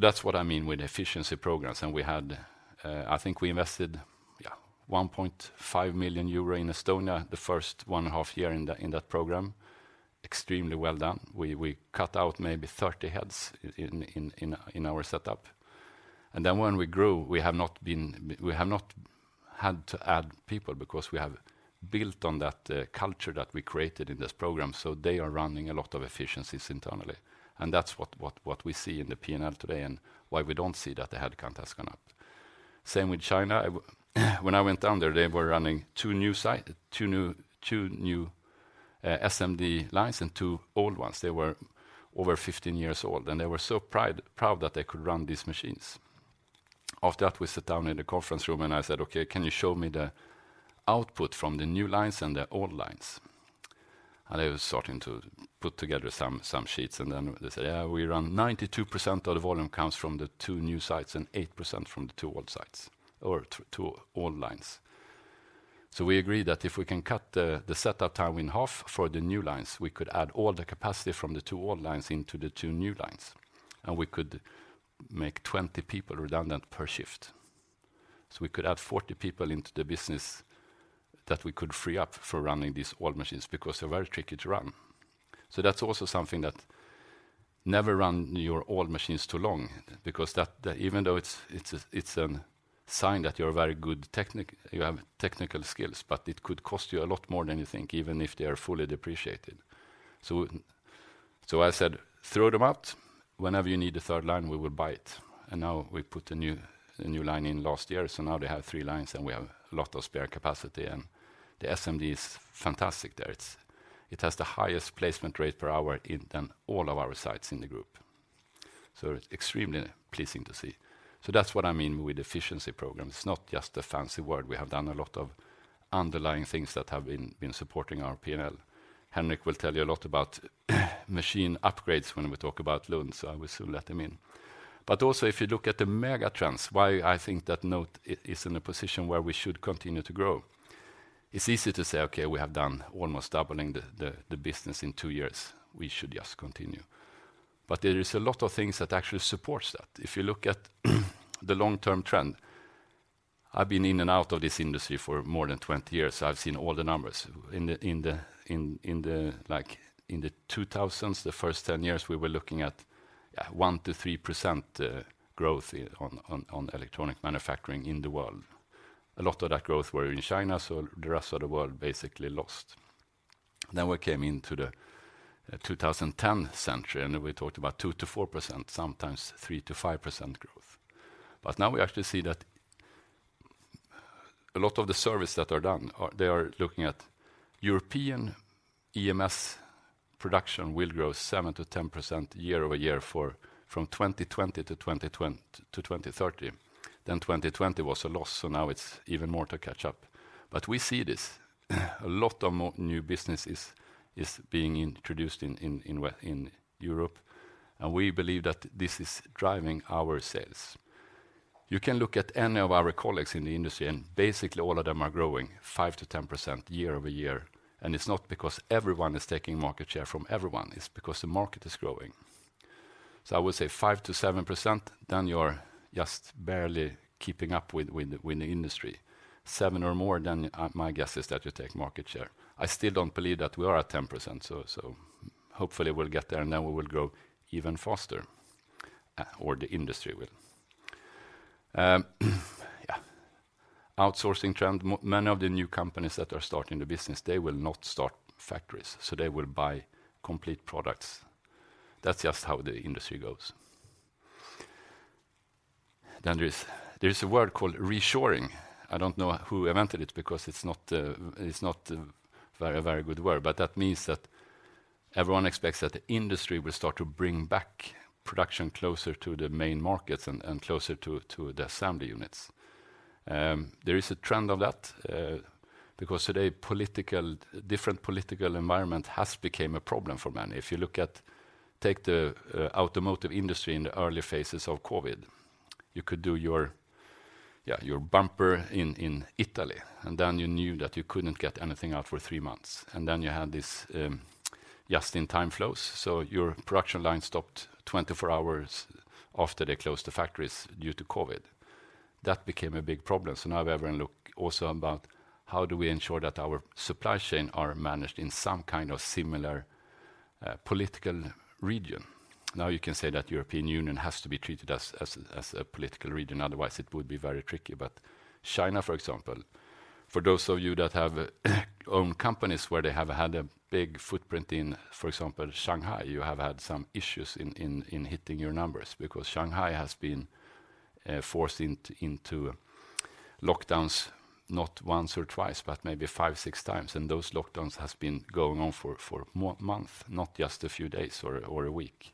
That's what I mean with efficiency programs. We had, I think we invested, yeah, 1.5 million euro in Estonia the first one half year in that, in that program. Extremely well done. We cut out maybe 30 heads in our setup. Then when we grew, we have not had to add people because we have built on that culture that we created in this program, so they are running a lot of efficiencies internally. That's what we see in the P&L today and why we don't see that the headcount has gone up. Same with China. When I went down there, they were running two new SMD lines and two old ones. They were over 15-years-old, they were so proud that they could run these machines. After that, we sat down in the conference room, I said, "Okay, can you show me the output from the new lines and the old lines?" They were starting to put together some sheets, and then they said, "Yeah, we run 92% of the volume comes from the two new sites and 8% from the two old sites or two old lines." We agreed that if we can cut the setup time in half for the new lines, we could add all the capacity from the two old lines into the two new lines, and we could make 20 people redundant per shift. We could add 40 people into the business that we could free up for running these old machines because they're very tricky to run. That's also something that never run your old machines too long because that even though it's a sign that you're a very good you have technical skills, but it could cost you a lot more than you think, even if they are fully depreciated. I said, "Throw them out. Whenever you need a third line, we will buy it." Now we put a new line in last year, so now they have three lines, and we have a lot of spare capacity, and the SMD is fantastic there. It has the highest placement rate per hour than all of our sites in the group. Extremely pleasing to see. That's what I mean with efficiency program. It's not just a fancy word. We have done a lot of underlying things that have been supporting our P&L. Henrik will tell you a lot about machine upgrades when we talk about Lund, so I will soon let him in. Also, if you look at the mega trends, why I think that NOTE is in a position where we should continue to grow. It's easy to say, "Okay, we have done almost doubling the business in two years. We should just continue." There is a lot of things that actually supports that. If you look at the long-term trend, I've been in and out of this industry for more than 20 years, so I've seen all the numbers. In the 2000s, the first 10 years, we were looking at 1%-3% growth on electronic manufacturing in the world. A lot of that growth were in China, the rest of the world basically lost. We came into the 2010 century, we talked about 2%-4%, sometimes 3%-5% growth. Now we actually see that a lot of the service that are done they are looking at European EMS production will grow 7%-10% year-over-year for from 2020 to 2030. 2020 was a loss, now it's even more to catch up. We see this. A lot of new business is being introduced in Europe, We believe that this is driving our sales. You can look at any of our colleagues in the industry, basically all of them are growing 5%-10% year-over-year. It's not because everyone is taking market share from everyone, it's because the market is growing. I would say 5%-7%, then you're just barely keeping up with the industry. 7% or more, my guess is that you take market share. I still don't believe that we are at 10%, so hopefully we'll get there, then we will grow even faster, or the industry will. Yeah. Outsourcing trend. Many of the new companies that are starting the business, they will not start factories, they will buy complete products. That's just how the industry goes. There is a word called reshoring. I don't know who invented it because it's not a very good word. That means that everyone expects that the industry will start to bring back production closer to the main markets and closer to the assembly units. There is a trend of that because today political, different political environment has became a problem for many. Take the automotive industry in the early phases of COVID. You could do your, yeah, your bumper in Italy, and then you knew that you couldn't get anything out for three months. You had this just-in-time flows. Your production line stopped 24 hours after they closed the factories due to COVID. That became a big problem. Now everyone look also about how do we ensure that our supply chain are managed in some kind of similar political region. Now you can say that European Union has to be treated as a political region, otherwise it would be very tricky. China, for example, for those of you that have own companies where they have had a big footprint in, for example, Shanghai, you have had some issues in hitting your numbers because Shanghai has been forced into lockdowns, not once or twice, but maybe 5x, 6x. Those lockdowns has been going on for month, not just a few days or a week.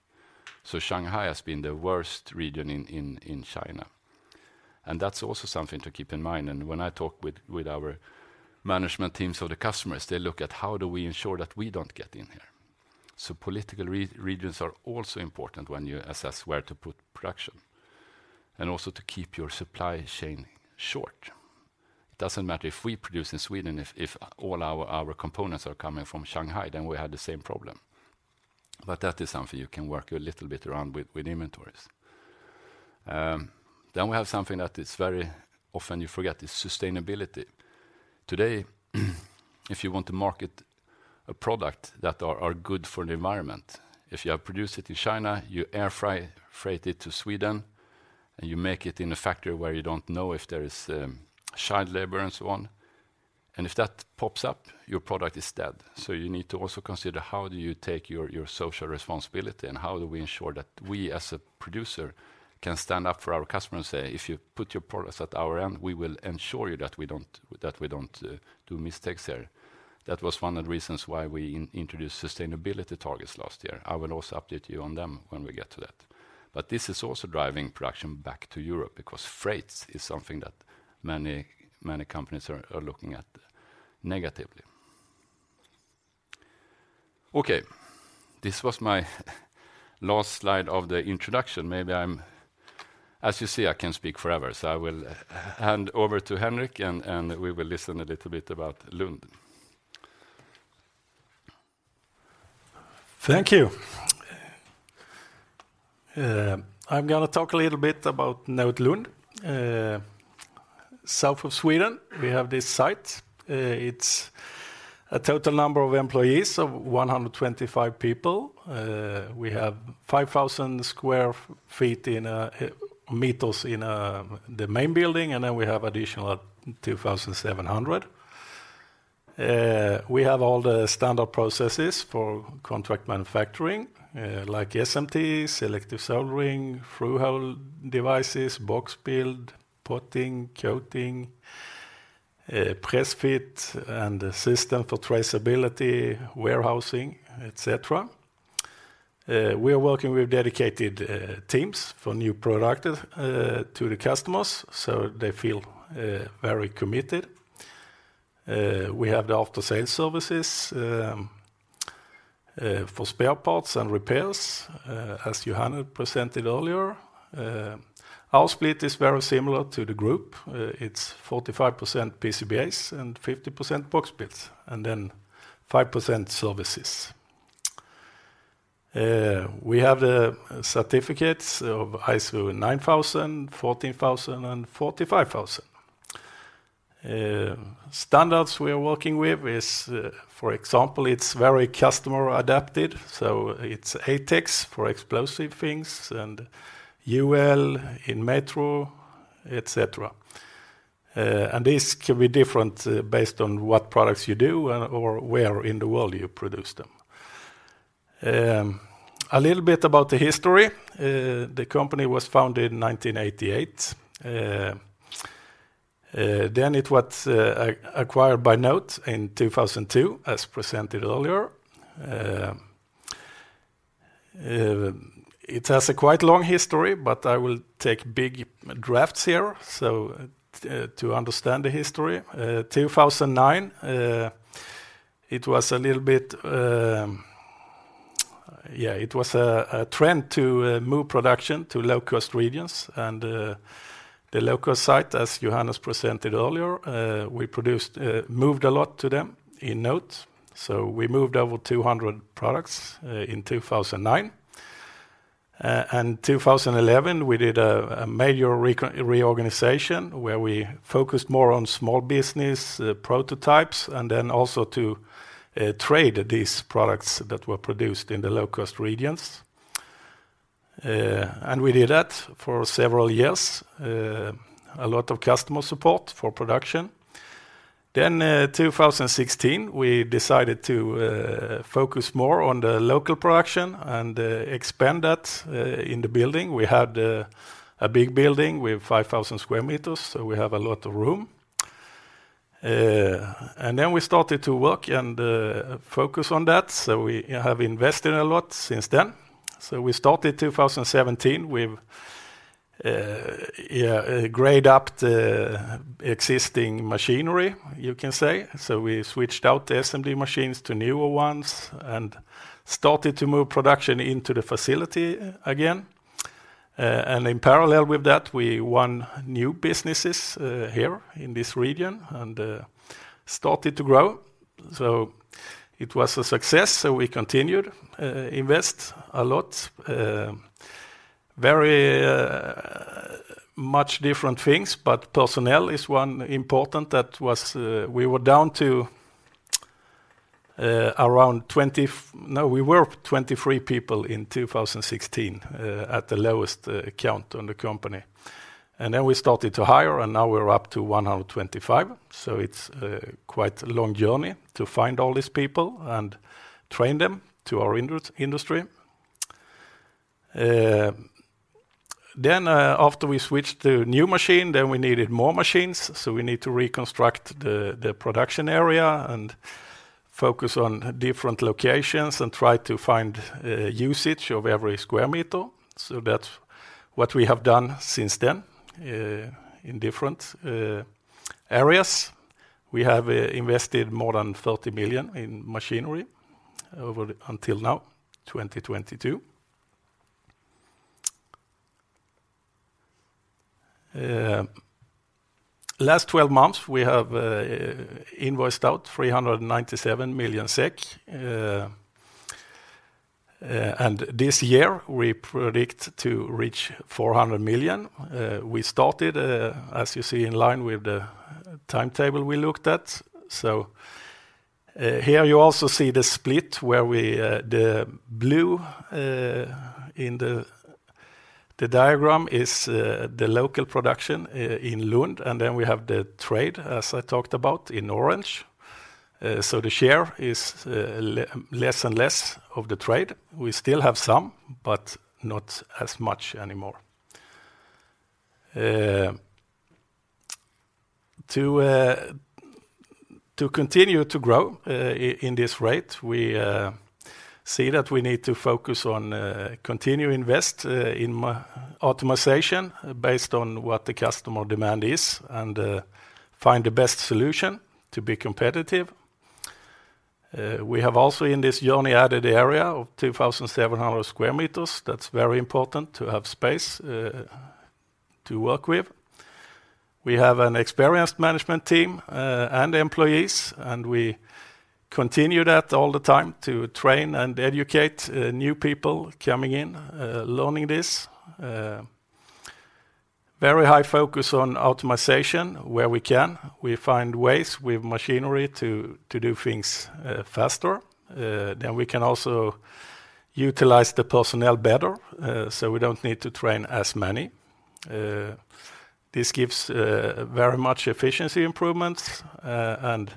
Shanghai has been the worst region in China. That's also something to keep in mind. When I talk with our management teams or the customers, they look at how do we ensure that we don't get in here. Political re-regions are also important when you assess where to put production, and also to keep your supply chain short. Doesn't matter if we produce in Sweden, if all our components are coming from Shanghai, then we have the same problem. That is something you can work a little bit around with inventories. Then we have something that is very often you forget, is sustainability. Today, if you want to market a product that are good for the environment, if you have produced it in China, you air freight it to Sweden, and you make it in a factory where you don't know if there is child labor and so on. If that pops up, your product is dead. You need to also consider how do you take your social responsibility, and how do we ensure that we as a producer can stand up for our customers, say, "If you put your products at our end, we will ensure you that we don't do mistakes here." That was one of the reasons why we introduce sustainability targets last year. I will also update you on them when we get to that. This is also driving production back to Europe because freights is something that many companies are looking at negatively. Okay. This was my last slide of the introduction. As you see, I can speak forever, so I will hand over to Henrik, and we will listen a little bit about Lund. Thank you. I'm gonna talk a little bit about Norrtälje. South of Sweden, we have this site. It's a total number of employees of 125 people. We have 5,000sq ft in meters in the main building, and then we have additional 2,700. We have all the standard processes for contract manufacturing, like SMD, selective soldering, through hole devices, box build, potting, coating, press fit, and a system for traceability, warehousing, et cetera. We are working with dedicated teams for new product to the customers, so they feel very committed. We have the after-sales services for spare parts and repairs, as Johannes presented earlier. Our split is very similar to the group. It's 45% PCBAs and 50% box builds, 5% services. We have the certificates of ISO 9000, 14000 and 45000. Standards we are working with is, for example, it's very customer adapted, so it's ATEX for explosive things and UL in metro, et cetera. This can be different, based on what products you do and or where in the world you produce them. A little bit about the history. The company was founded in 1988. It was acquired by NOTE in 2002, as presented earlier. It has a quite long history, I will take big drafts here so to understand the history. In 2009, it was a little bit, it was a trend to move production to low-cost regions and the low-cost site, as Johannes presented earlier, we produced, moved a lot to them in NOTE. We moved over 200 products in 2009. In 2011, we did a major reorganization where we focused more on small business, prototypes, and then also to trade these products that were produced in the low-cost regions. We did that for several years. A lot of customer support for production. In 2016, we decided to focus more on the local production and expand that in the building. We had a big building with 5,000 square meters, so we have a lot of room. Then we started to work and focus on that, so we have invested a lot since then. We started 2017 with, yeah, grade up the existing machinery, you can say. We switched out the assembly machines to newer ones and started to move production into the facility again. In parallel with that, we won new businesses here in this region and started to grow. It was a success, we continued invest a lot. Very much different things, but personnel is one important that was, we were down to around 23 people in 2016, at the lowest count on the company. We started to hire, and now we're up to 125, so it's quite a long journey to find all these people and train them to our industry. After we switched to new machine, then we needed more machines, so we need to reconstruct the production area and focus on different locations and try to find usage of every square meter. That's what we have done since then in different areas. We have invested more than 30 million in machinery over until now, 2022. Last 12 months, we have invoiced out 397 million SEK. This year, we predict to reach 400 million. We started, as you see, in line with the timetable we looked at. Here you also see the split where we the blue in the diagram is the local production in Lund, and then we have the trade, as I talked about, in orange. The share is less and less of the trade. We still have some, but not as much anymore. To continue to grow in this rate, we see that we need to focus on continue invest in automation based on what the customer demand is, and find the best solution to be competitive. We have also in this journey added area of 2,700 square meters. That's very important to have space to work with. We have an experienced management team and employees. We continue that all the time to train and educate new people coming in, learning this. Very high focus on automation where we can. We find ways with machinery to do things faster. We can also utilize the personnel better, so we don't need to train as many. This gives very much efficiency improvements and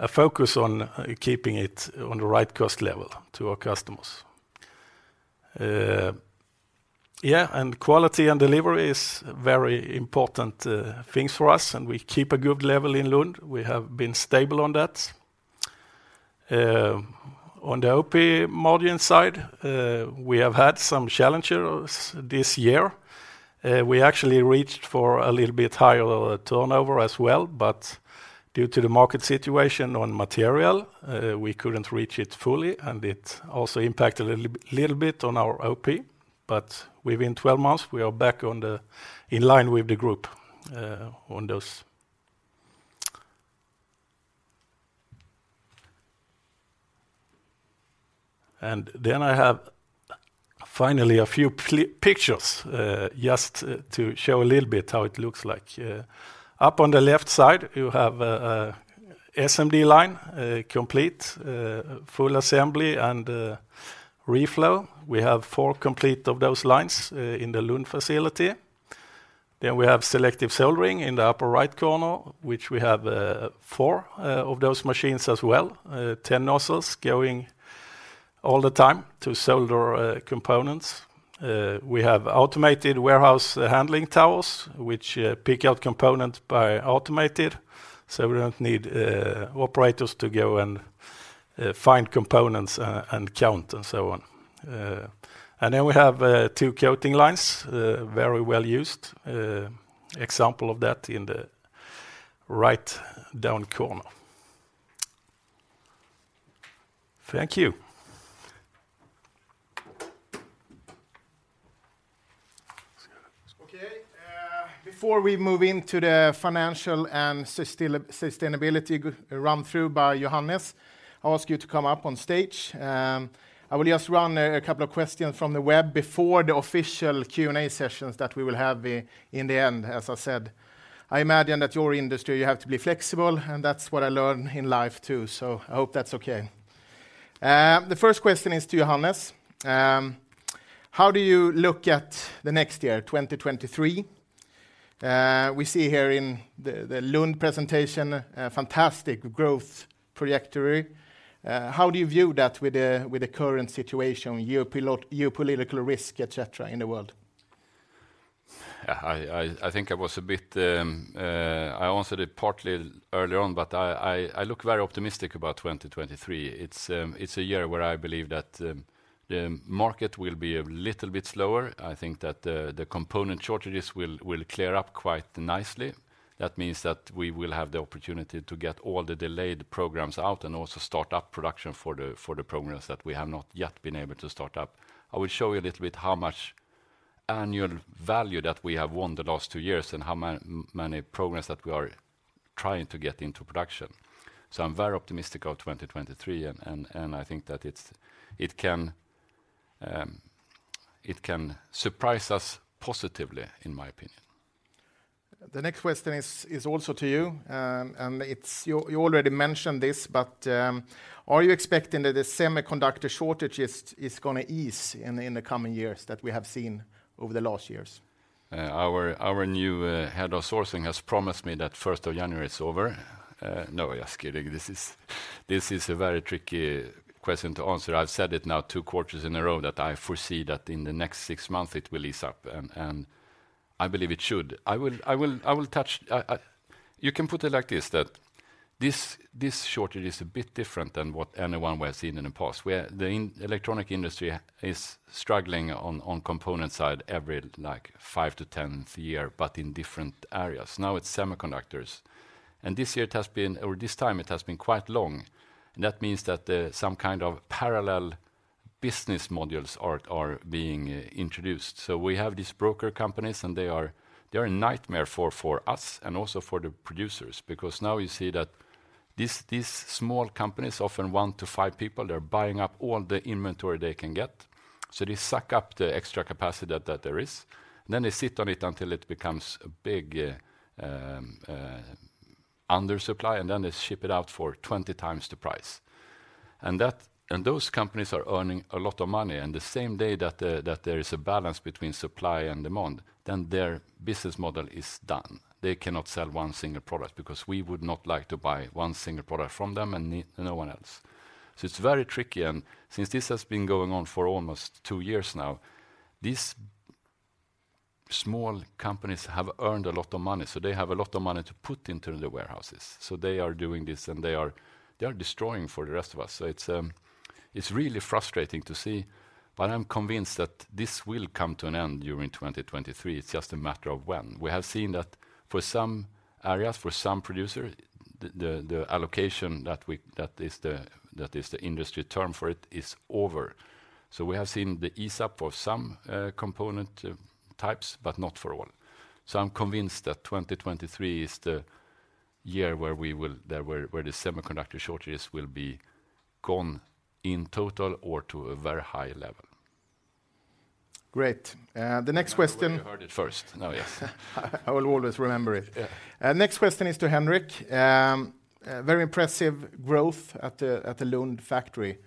a focus on keeping it on the right cost level to our customers. Yeah, quality and delivery is very important things for us, and we keep a good level in Lund. We have been stable on that. On the OP margin side, we have had some challenges this year. We actually reached for a little bit higher turnover as well, due to the market situation on material, we couldn't reach it fully, and it also impacted a little bit on our OP. Within 12 months, we are back on the... in line with the group on those. I have finally a few pictures, just to show a little bit how it looks like. Up on the left side, you have SMD line, complete, full assembly and reflow. We have four complete of those lines in the Lund facility. We have selective soldering in the upper right corner, which we have 4 of those machines as well. 10 nozzles going all the time to solder components. We have automated warehouse handling towers, which pick out components by automated, so we don't need operators to go and find components and count and so on. We have two coating lines, very well used. Example of that in the right down corner. Thank you. Okay. Before we move into the financial and sustainability run-through by Johannes, I'll ask you to come up on stage. I will just run a couple of questions from the web before the official Q&A sessions that we will have in the end, as I said. I imagine that your industry, you have to be flexible, and that's what I learn in life too. I hope that's okay. The first question is to Johannes. How do you look at the next year, 2023? We see here in the Lund presentation a fantastic growth trajectory. How do you view that with the current situation, geopolitical risk, et cetera, in the world? I think I was a bit. I answered it partly earlier on, but I look very optimistic about 2023. It's a year where I believe that the market will be a little bit slower. I think that the component shortages will clear up quite nicely. That means that we will have the opportunity to get all the delayed programs out and also start up production for the programs that we have not yet been able to start up. I will show you a little bit how much annual value that we have won the last two years and how many programs that we are trying to get into production. I'm very optimistic of 2023, and I think that it can surprise us positively, in my opinion. The next question is also to you. You already mentioned this, but are you expecting that the semiconductor shortages is going to ease in the coming years that we have seen over the last years? Our new head of sourcing has promised me that first of January it's over. No, just kidding. This is a very tricky question to answer. I've said it now two quarters in a row that I foresee that in the next six months it will ease up, and I believe it should. I will touch. You can put it like this, that this shortage is a bit different than what anyone we have seen in the past, where the electronic industry is struggling on component side every, like, five to 10th year, but in different areas. Now it's semiconductors. This year it has been, or this time it has been quite long, that means that the, some kind of parallel business modules are being introduced. We have these broker companies, and they are, they're a nightmare for us and also for the producers because now you see that these small companies, often one to five people, they're buying up all the inventory they can get. They suck up the extra capacity that there is, and then they sit on it until it becomes a big under supply, and then they ship it out for 20 times the price. Those companies are earning a lot of money, and the same day that there is a balance between supply and demand, then their business model is done. They cannot sell one single product because we would not like to buy one single product from them and no one else. It's very tricky, and since this has been going on for almost two years now, these small companies have earned a lot of money, so they have a lot of money to put into the warehouses. They are doing this, and they are destroying for the rest of us. It's, it's really frustrating to see, but I'm convinced that this will come to an end during 2023. It's just a matter of when. We have seen that for some areas, for some producer, the allocation that we, that is the industry term for it, is over. We have seen the ease up of some component types, but not for all. I'm convinced that 2023 is the year where the semiconductor shortages will be gone in total or to a very high level. Great. The next question. Now you know where you heard it first. No, yes. I will always remember it. Yeah. Next question is to Henrik. Very impressive growth at the Lund factory.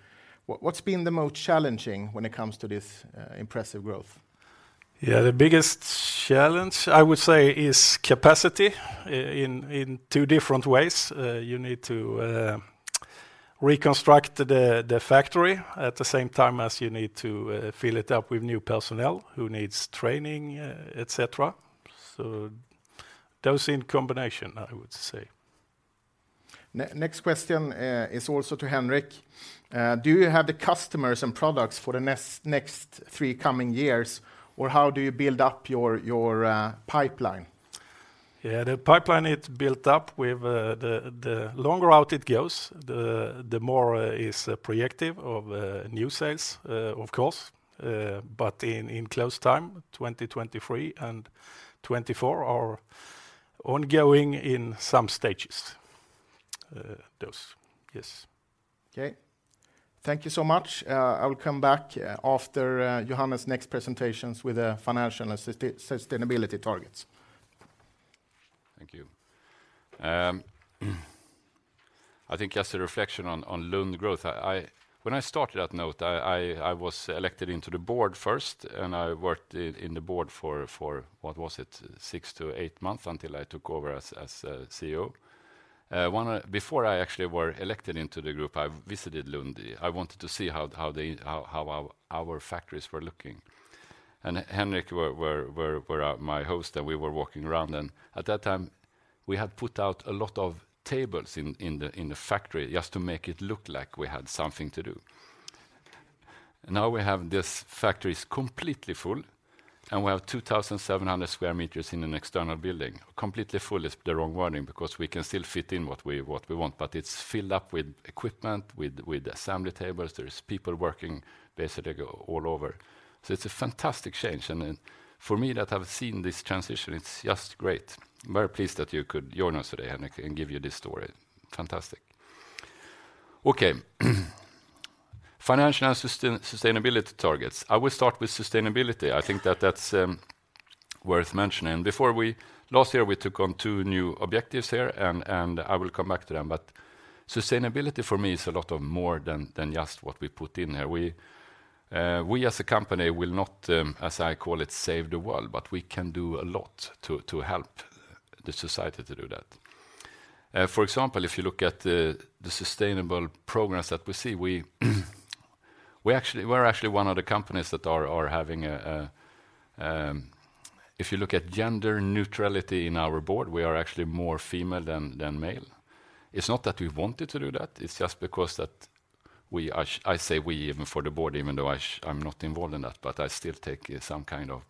What's been the most challenging when it comes to this impressive growth? Yeah. The biggest challenge I would say is capacity in two different ways. You need to reconstruct the factory at the same time as you need to fill it up with new personnel who needs training, et cetera. Those in combination, I would say. Next question, is also to Henrik. Do you have the customers and products for the next three coming years, or how do you build up your pipeline? The pipeline is built up with the longer route it goes, the more is projective of new sales, of course. In close time, 2023 and 2024 are ongoing in some stages. Those. Yes. Okay. Thank you so much. I will come back after Johannes' next presentations with the financial and sustainability targets. Thank you. I think as a reflection on Lund growth, when I started at NOTE, I was elected into the board first, and I worked in the board for, what was it, six to eight months until I took over as CEO. Before I actually were elected into the group, I visited Lund. I wanted to see how our factories were looking. Henrik were my host, and we were walking around then. At that time, we had put out a lot of tables in the factory just to make it look like we had something to do. Now we have this factory is completely full, and we have 2,700 square meters in an external building. Completely full is the wrong wording because we can still fit in what we want, but it's filled up with equipment, with assembly tables. There's people working basically all over. It's a fantastic change. For me that I've seen this transition, it's just great. I'm very pleased that you could join us today, Henrik, and give you this story. Fantastic. Okay. Financial and sustainability targets. I will start with sustainability. I think that's worth mentioning. Last year, we took on two new objectives here, and I will come back to them. Sustainability for me is a lot of more than just what we put in there. We as a company will not, as I call it, save the world, we can do a lot to help the society to do that. For example, if you look at the sustainable programs that we see, we're actually one of the companies that are having a. If you look at gender neutrality in our board, we are actually more female than male. It's not that we wanted to do that. It's just because that I say we even for the board, even though I'm not involved in that, but I still take some kind of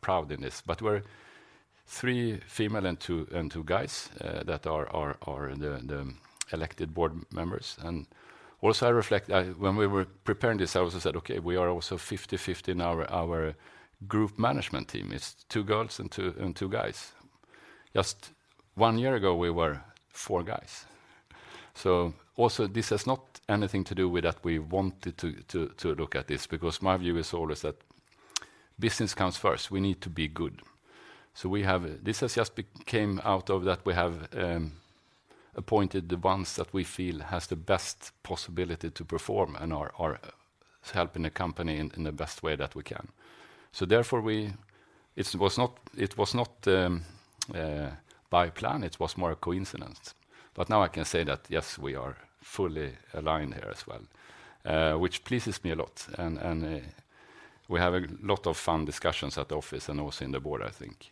proud in this. We're three female and two guys that are the elected board members. Also, I reflect, when we were preparing this, I also said, okay, we are also 50/50 in our group management team. It's two girls and two guys. Just one year ago, we were four guys. Also, this has not anything to do with that we wanted to look at this because my view is always that business comes first. We need to be good. This has just became out of that we have appointed the ones that we feel has the best possibility to perform and are helping the company in the best way that we can. Therefore, it was not by plan, it was more a coincidence. Now I can say that, yes, we are fully aligned here as well, which pleases me a lot. We have a lot of fun discussions at the office and also in the board, I think.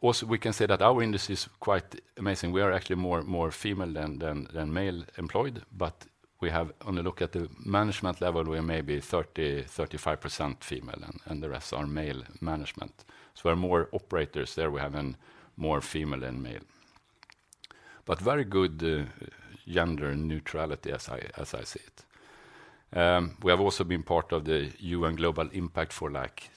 Also, we can say that our industry is quite amazing. We are actually more female than male employed, but on a look at the management level, we are maybe 30%-35% female, and the rest are male management. We're more operators there. We have more female than male. Very good gender neutrality as I see it. We have also been part of the UN Global Compact for, like,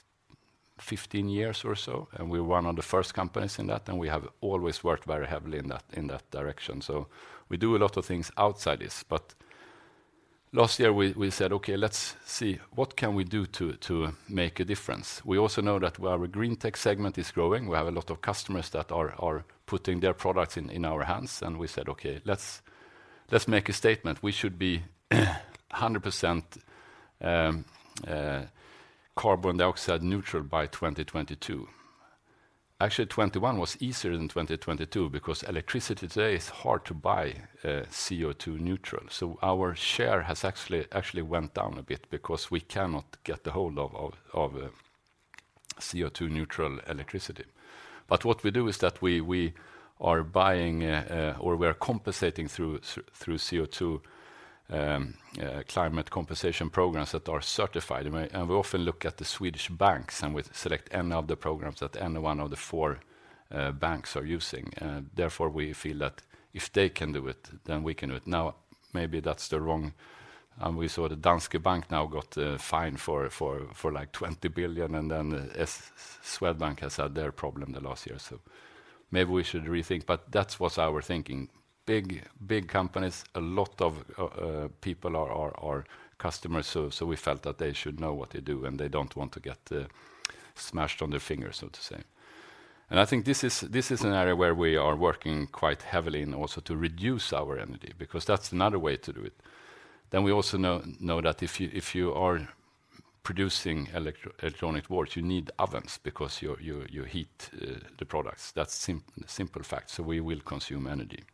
15 years or so, and we're one of the first companies in that, and we have always worked very heavily in that direction. We do a lot of things outside this. Last year, we said, okay, let's see, what can we do to make a difference? We also know that our Greentech segment is growing. We have a lot of customers that are putting their products in our hands. We said, okay, let's make a statement. We should be 100% carbon dioxide neutral by 2022. Actually, 2021 was easier than 2022 because electricity today is hard to buy CO₂ neutral. Our share has actually went down a bit because we cannot get the whole of CO₂ neutral electricity. What we do is that we are buying or we are compensating through CO₂ climate compensation programs that are certified. We often look at the Swedish banks, and we select any of the programs that any one of the four banks are using. Therefore, we feel that if they can do it, then we can do it. Maybe that's the wrong. We saw the Danske Bank now got a fine for like 20 billion, and then Swedbank has had their problem the last year. Maybe we should rethink, but that was our thinking. Big companies, a lot of people are customers, so we felt that they should know what they do, and they don't want to get smashed on their fingers, so to say. I think this is an area where we are working quite heavily and also to reduce our energy because that's another way to do it. We also know that if you are producing electro-electronic boards, you need ovens because you heat the products. That's simple fact. We will consume energy.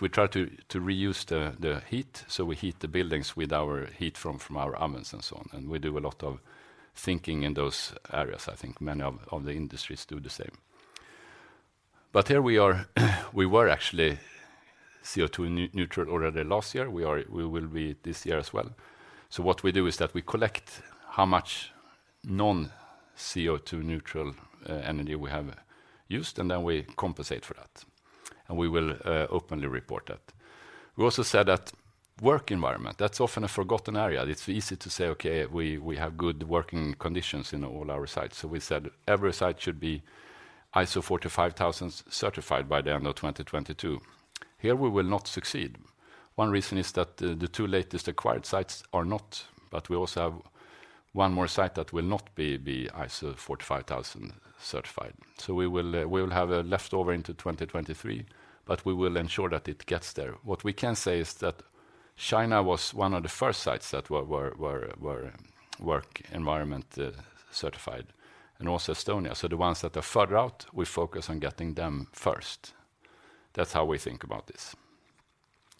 We try to reuse the heat. We heat the buildings with our heat from our ovens and so on. We do a lot of thinking in those areas. I think many of the industries do the same. Here we are, we were actually CO₂ neutral already last year. We will be this year as well. What we do is that we collect how much non-CO₂ neutral energy we have used, and then we compensate for that. We will openly report that. We also said that work environment, that's often a forgotten area. It's easy to say, okay, we have good working conditions in all our sites. We said every site should be ISO 45001 certified by the end of 2022. Here we will not succeed. One reason is that the two latest acquired sites are not, we also have one more site that will not be ISO 45001 certified. We will have a leftover into 2023, we will ensure that it gets there. What we can say is that China was one of the first sites that were work environment certified, and also Estonia. The ones that are further out, we focus on getting them first. That's how we think about this.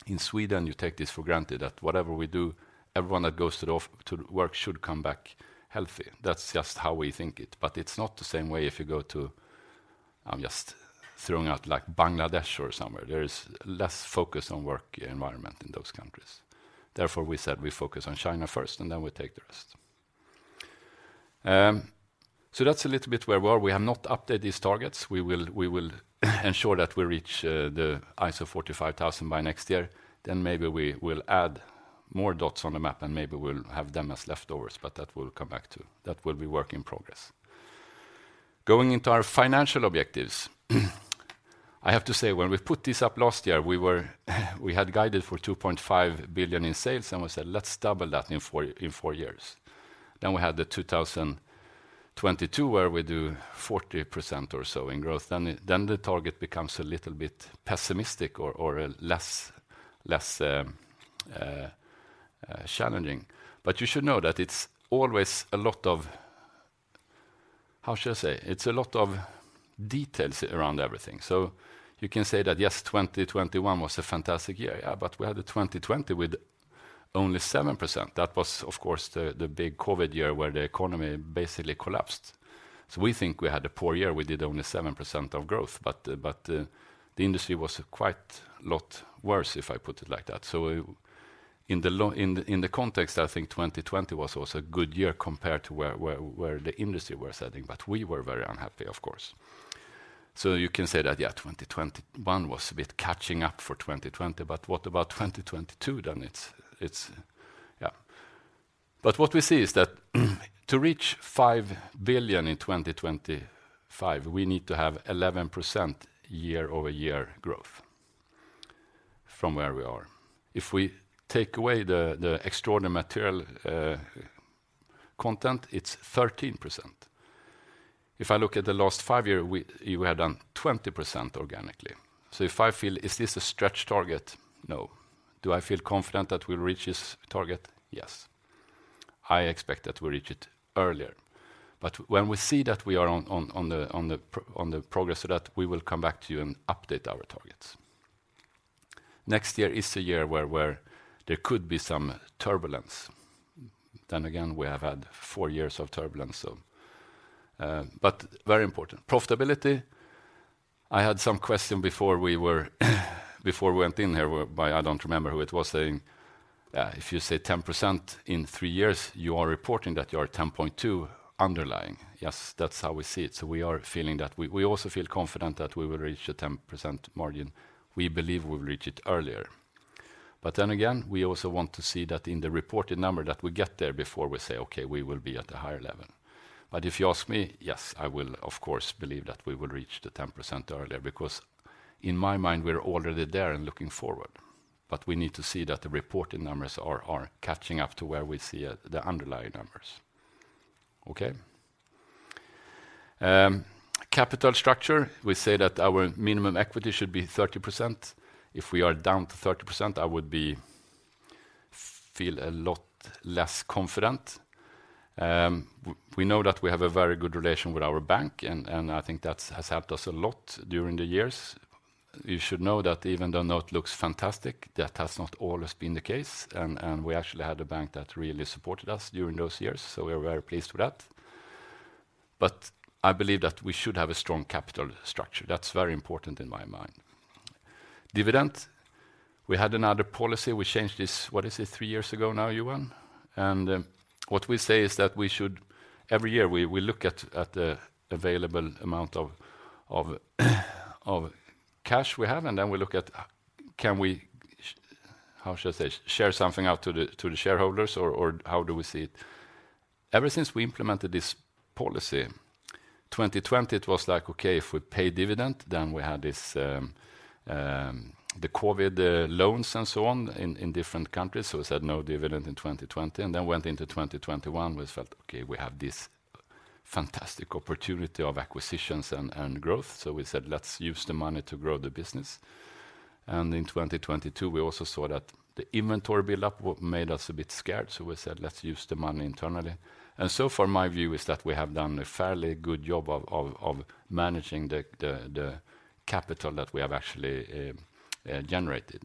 In Sweden, you take this for granted that whatever we do, everyone that goes to work should come back healthy. That's just how we think it. It's not the same way if you go to, I'm just throwing out, like, Bangladesh or somewhere. There is less focus on work environment in those countries. We said we focus on China first, we take the rest. That's a little bit where we are. We have not updated these targets. We will ensure that we reach the ISO 45000 by next year, maybe we will add more dots on the map, we'll have them as leftovers, we'll come back to. That will be work in progress. Going into our financial objectives, I have to say, when we put this up last year, we had guided for 2.5 billion in sales, "Let's double that in four years." We had the 2022, where we do 40% or so in growth. Then the target becomes a little bit pessimistic or less challenging. You should know that it's always a lot of, how should I say? It's a lot of details around everything. You can say that, yes, 2021 was a fantastic year. Yeah, but we had the 2020 with only 7%. That was, of course, the big COVID year where the economy basically collapsed. We think we had a poor year. We did only 7% of growth, but the industry was quite a lot worse, if I put it like that. In the context, I think 2020 was also a good year compared to where the industry was heading, but we were very unhappy, of course. You can say that, yeah, 2021 was a bit catching up for 2020, but what about 2022 then? It's, yeah. What we see is that to reach 5 billion in 2025, we need to have 11% year-over-year growth from where we are. If we take away the extraordinary material content, it's 13%. If I look at the last five year, we have done 20% organically. If I feel, is this a stretch target? No. Do I feel confident that we'll reach this target? Yes. I expect that we'll reach it earlier. When we see that we are on the progress to that, we will come back to you and update our targets. Next year is the year where there could be some turbulence. We have had four years of turbulence, so. Very important. Profitability, I had some question before we went in here by, I don't remember who it was saying, if you say 10% in three years, you are reporting that you are at 10.2% underlying. Yes, that's how we see it. We are feeling that we also feel confident that we will reach the 10% margin. We believe we'll reach it earlier. We also want to see that in the reported number that we get there before we say, "Okay, we will be at a higher level." If you ask me, yes, I will of course believe that we will reach the 10% earlier, because in my mind, we're already there and looking forward. We need to see that the reported numbers are catching up to where we see the underlying numbers. Okay? Capital structure, we say that our minimum equity should be 30%. If we are down to 30%, I would be feel a lot less confident. We know that we have a very good relation with our bank, and I think that's has helped us a lot during the years. You should know that even though now it looks fantastic, that has not always been the case. We actually had a bank that really supported us during those years, so we are very pleased with that. I believe that we should have a strong capital structure. That's very important in my mind. Dividend, we had another policy. We changed this, what is it? three years ago now, Ewan. What we say is that we should, every year, we look at the available amount of cash we have, we look at, can we how should I say, share something out to the shareholders, or how do we see it? Ever since we implemented this policy, 2020, it was like, okay, if we pay dividend, then we had this, the COVID loans and so on in different countries. We said no dividend in 2020, went into 2021, we felt, okay, we have this fantastic opportunity of acquisitions and growth. We said, let's use the money to grow the business. In 2022, we also saw that the inventory build up made us a bit scared. We said, let's use the money internally. For my view is that we have done a fairly good job of managing the capital that we have actually generated.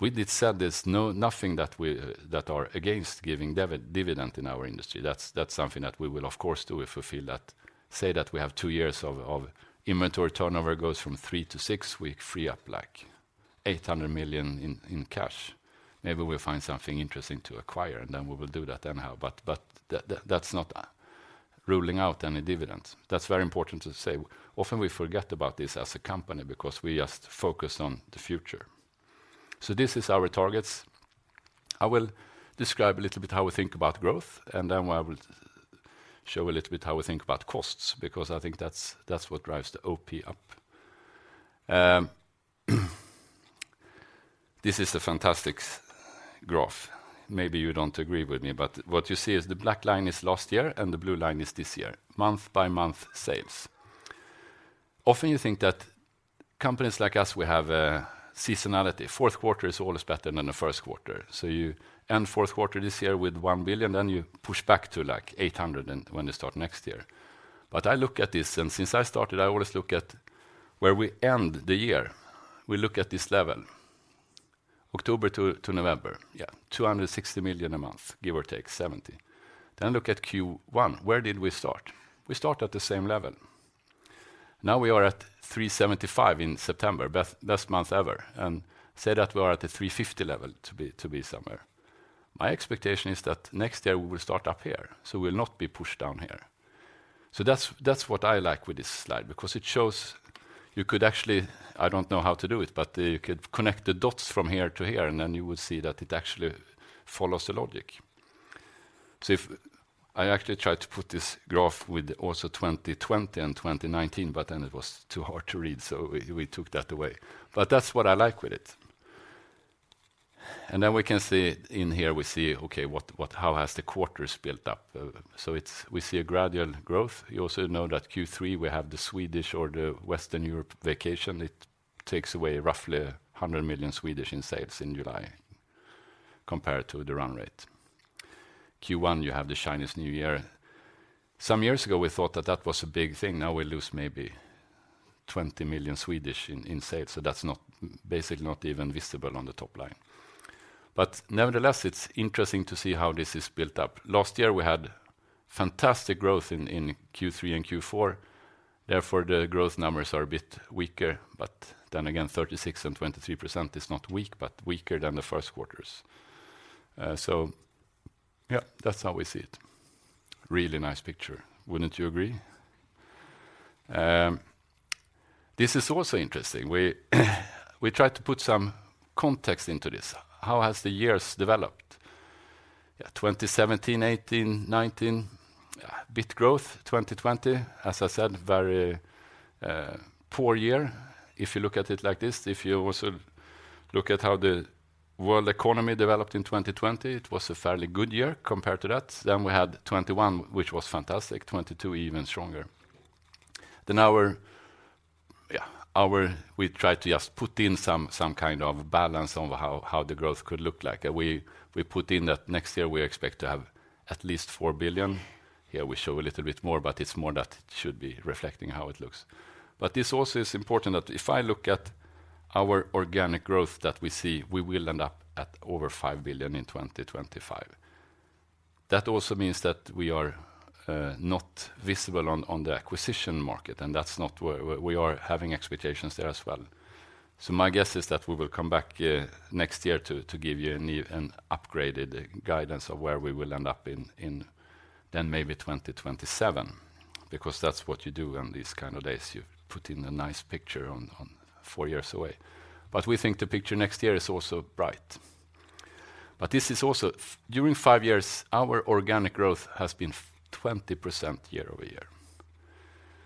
With it said, there's nothing that are against giving dividend in our industry. That's something that we will of course do if we feel that, say, that we have two years of inventory turnover goes from three-six, we free up like 800 million in cash. Maybe we'll find something interesting to acquire, and then we will do that anyhow. That's not ruling out any dividends. That's very important to say. Often we forget about this as a company because we just focus on the future. This is our targets. I will describe a little bit how we think about growth, and then I will show a little bit how we think about costs, because I think that's what drives the OP up. This is a fantastic graph. Maybe you don't agree with me, but what you see is the black line is last year, and the blue line is this year, month by month sales. Often you think that companies like us, we have a seasonality. Fourth quarter is always better than the first quarter. You end fourth quarter this year with 1 billion, then you push back to like 800 million and when you start next year. I look at this, and since I started, I always look at where we end the year. We look at this level, October to November, yeah, 260 million a month, give or take 70 million. Look at Q1. Where did we start? We start at the same level. Now we are at 375 million in September, best month ever, and say that we are at the 350 million level to be somewhere. My expectation is that next year we will start up here, so we'll not be pushed down here. That's what I like with this slide because it shows you could actually, I don't know how to do it, but you could connect the dots from here to here, and then you would see that it actually follows the logic. I actually tried to put this graph with also 2020 and 2019, but then it was too hard to read, so we took that away. That's what I like with it. Then we can see, in here we see, okay, what, how has the quarters built up? It's we see a gradual growth. You also know that Q3, we have the Swedish or the Western Europe vacation. It takes away roughly 100 million in sales in July compared to the run rate. Q1, you have the Chinese New Year. Some years ago, we thought that that was a big thing. Now we lose maybe 20 million in sales, so that's not, basically not even visible on the top line. Nevertheless, it's interesting to see how this is built up. Last year, we had fantastic growth in Q3 and Q4. The growth numbers are a bit weaker, then again, 36% and 23% is not weak, but weaker than the first quarters. Yeah, that's how we see it. Really nice picture. Wouldn't you agree? This is also interesting. We try to put some context into this. How has the years developed? Yeah, 2017, 2018, 2019, bit growth. 2020, as I said, very poor year if you look at it like this. If you also look at how the world economy developed in 2020, it was a fairly good year compared to that. We had 2021, which was fantastic, 2022 even stronger. Our, yeah, we tried to just put in some kind of balance on how the growth could look like. We put in that next year we expect to have at least 4 billion. Here we show a little bit more, it's more that it should be reflecting how it looks. This also is important that if I look at our organic growth that we see, we will end up at over 5 billion in 2025. That also means that we are not visible on the acquisition market, that's not where we are having expectations there as well. My guess is that we will come back next year to give you a new and upgraded guidance of where we will end up in then maybe 2027, because that's what you do on these kind of days. You put in a nice picture on four years away. We think the picture next year is also bright. This is also, during five years, our organic growth has been 20% year-over-year.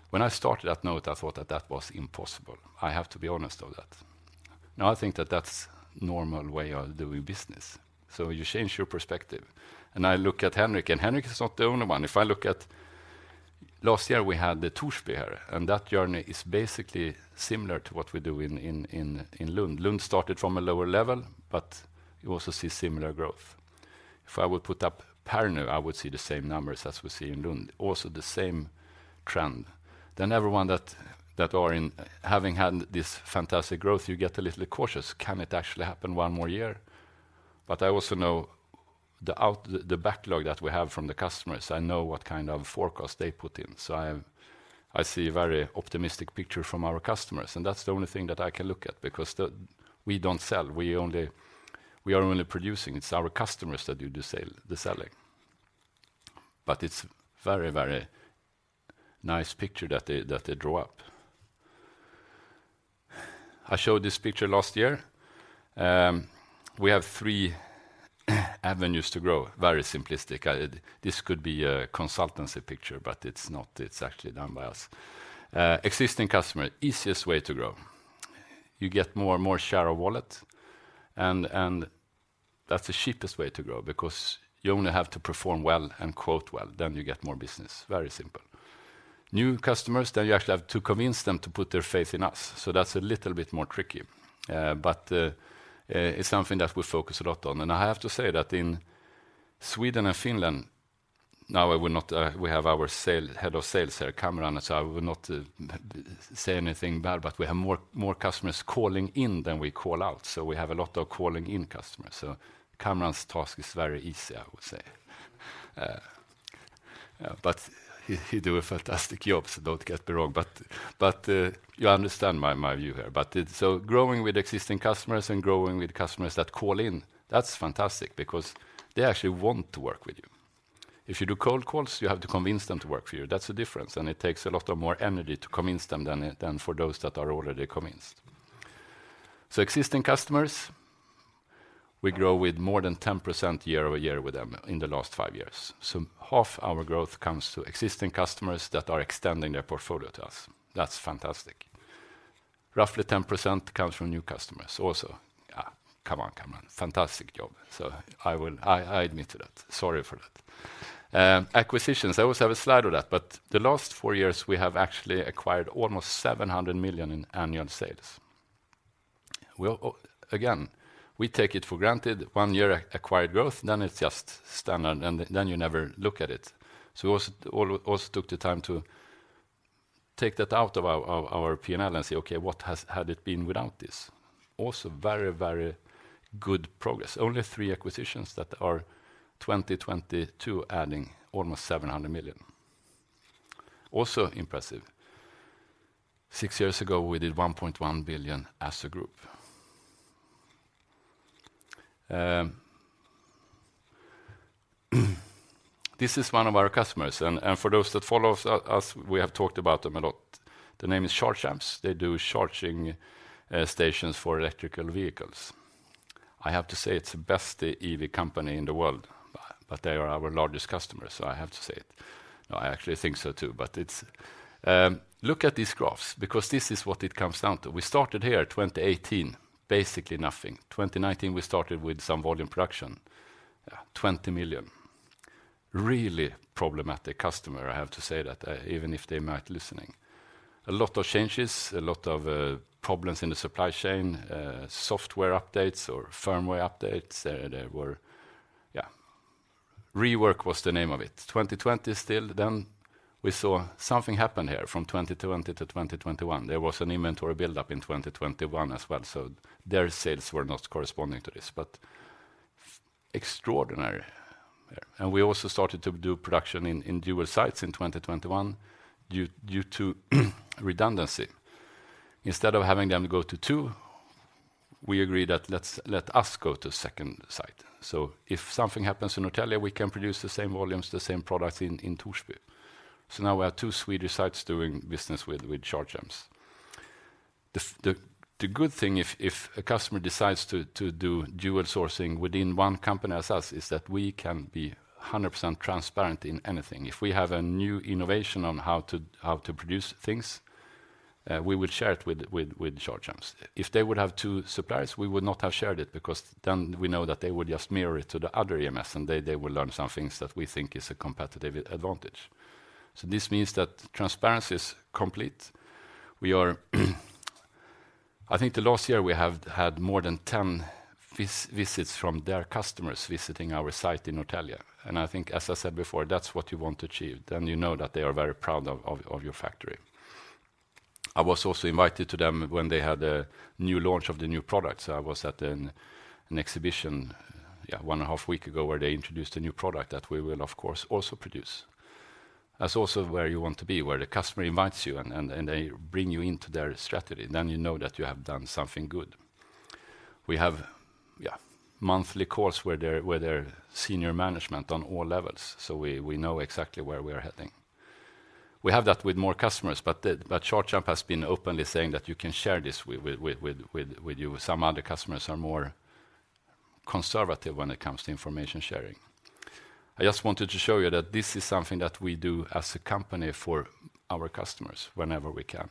When I started at NOTE, I thought that that was impossible. I have to be honest on that. Now, I think that that's normal way of doing business. You change your perspective. I look at Henrik, and Henrik is not the only one. If I look at last year, we had the Torsby, and that journey is basically similar to what we do in Lund. Lund started from a lower level, you also see similar growth. If I would put up Pärnu, I would see the same numbers as we see in Lund, also the same trend. Everyone that are in having had this fantastic growth, you get a little cautious. Can it actually happen one more year? I also know the backlog that we have from the customers, I know what kind of forecast they put in. I see a very optimistic picture from our customers, and that's the only thing that I can look at because we don't sell. We are only producing. It's our customers that do the selling. It's very nice picture that they draw up. I showed this picture last year. We have three avenues to grow. Very simplistic. This could be a consultancy picture, but it's not. It's actually done by us. Existing customer, easiest way to grow. You get more and more share of wallet and that's the cheapest way to grow because you only have to perform well and quote well, then you get more business. Very simple. New customers, you actually have to convince them to put their faith in us. That's a little bit more tricky. But it's something that we focus a lot on. I have to say that in Sweden and Finland, now we're not, we have our head of sales here, Kamran. I will not say anything bad, but we have more customers calling in than we call out. We have a lot of calling in customers. Kamran's task is very easy, I would say. He, he do a fantastic job, so don't get me wrong. You understand my view here. Growing with existing customers and growing with customers that call in, that's fantastic because they actually want to work with you. If you do cold calls, you have to convince them to work for you. That's the difference, it takes a lot of more energy to convince them than for those that are already convinced. Existing customers, we grow with more than 10% year-over-year with them in the last five years. Half our growth comes to existing customers that are extending their portfolio to us. That's fantastic. Roughly 10% comes from new customers also. Yeah. Come on, come on. Fantastic job. I admit to that. Sorry for that. Acquisitions, I always have a slide of that. The last four years, we have actually acquired almost 700 million in annual sales. Again, we take it for granted one year acquired growth, then it's just standard, and then you never look at it. So we also took the time to take that out of our P&L and say, okay, what has had it been without this? Also very, very good progress. Only three acquisitions that are 2022 adding almost 700 million. Also impressive. Six years ago, we did 1.1 billion as a group. This is one of our customers, and for those that follow us, we have talked about them a lot. The name is Charge Amps. They do charging stations for electrical vehicles. I have to say it's the best EV company in the world, but they are our largest customer, so I have to say it. No, I actually think so, too. Look at these graphs because this is what it comes down to. We started here, 2018, basically nothing. 2019, we started with some volume production, 20 million. Really problematic customer, I have to say that, even if they're not listening. A lot of changes, a lot of problems in the supply chain, software updates or firmware updates. There was rework. Rework was the name of it. 2020 still. We saw something happened here from 2020 to 2021. There was an inventory buildup in 2021 as well, so their sales were not corresponding to this, but extraordinary. We also started to do production in dual sites in 2021 due to redundancy. Instead of having them go to two, we agreed that let us go to second site. If something happens in Norrtälje, we can produce the same volumes, the same products in Torsby. Now we have two Swedish sites doing business with Charge Amps. The good thing if a customer decides to do dual sourcing within one company as us, is that we can be 100% transparent in anything. If we have a new innovation on how to produce things, we would share it with Charge Amps. If they would have two suppliers, we would not have shared it because then we know that they would just mirror it to the other EMS, and they will learn some things that we think is a competitive advantage. This means that transparency is complete. We are, I think the last year we have had more than 10 visits from their customers visiting our site in Norrtälje. I think, as I said before, that's what you want to achieve. You know that they are very proud of your factory. I was also invited to them when they had a new launch of the new product. I was at an exhibition, yeah, one and a half week ago where they introduced a new product that we will of course also produce. That's also where you want to be, where the customer invites you and they bring you into their strategy. You know that you have done something good. We have, yeah, monthly calls with their senior management on all levels, so we know exactly where we are heading. We have that with more customers, but Charge Amps has been openly saying that you can share this with you. Some other customers are more conservative when it comes to information sharing. I just wanted to show you that this is something that we do as a company for our customers whenever we can.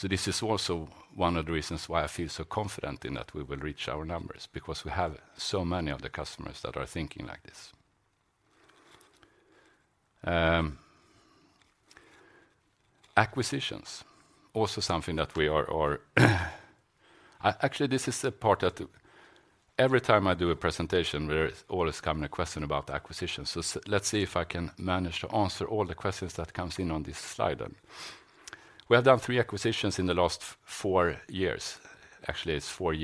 This is also one of the reasons why I feel so confident in that we will reach our numbers because we have so many of the customers that are thinking like this. Acquisitions, also something that we actually, this is the part that every time I do a presentation, there's always come a question about acquisitions. Let's see if I can manage to answer all the questions that comes in on this slide then. We have done three acquisitions in the last four years. Actually, it's four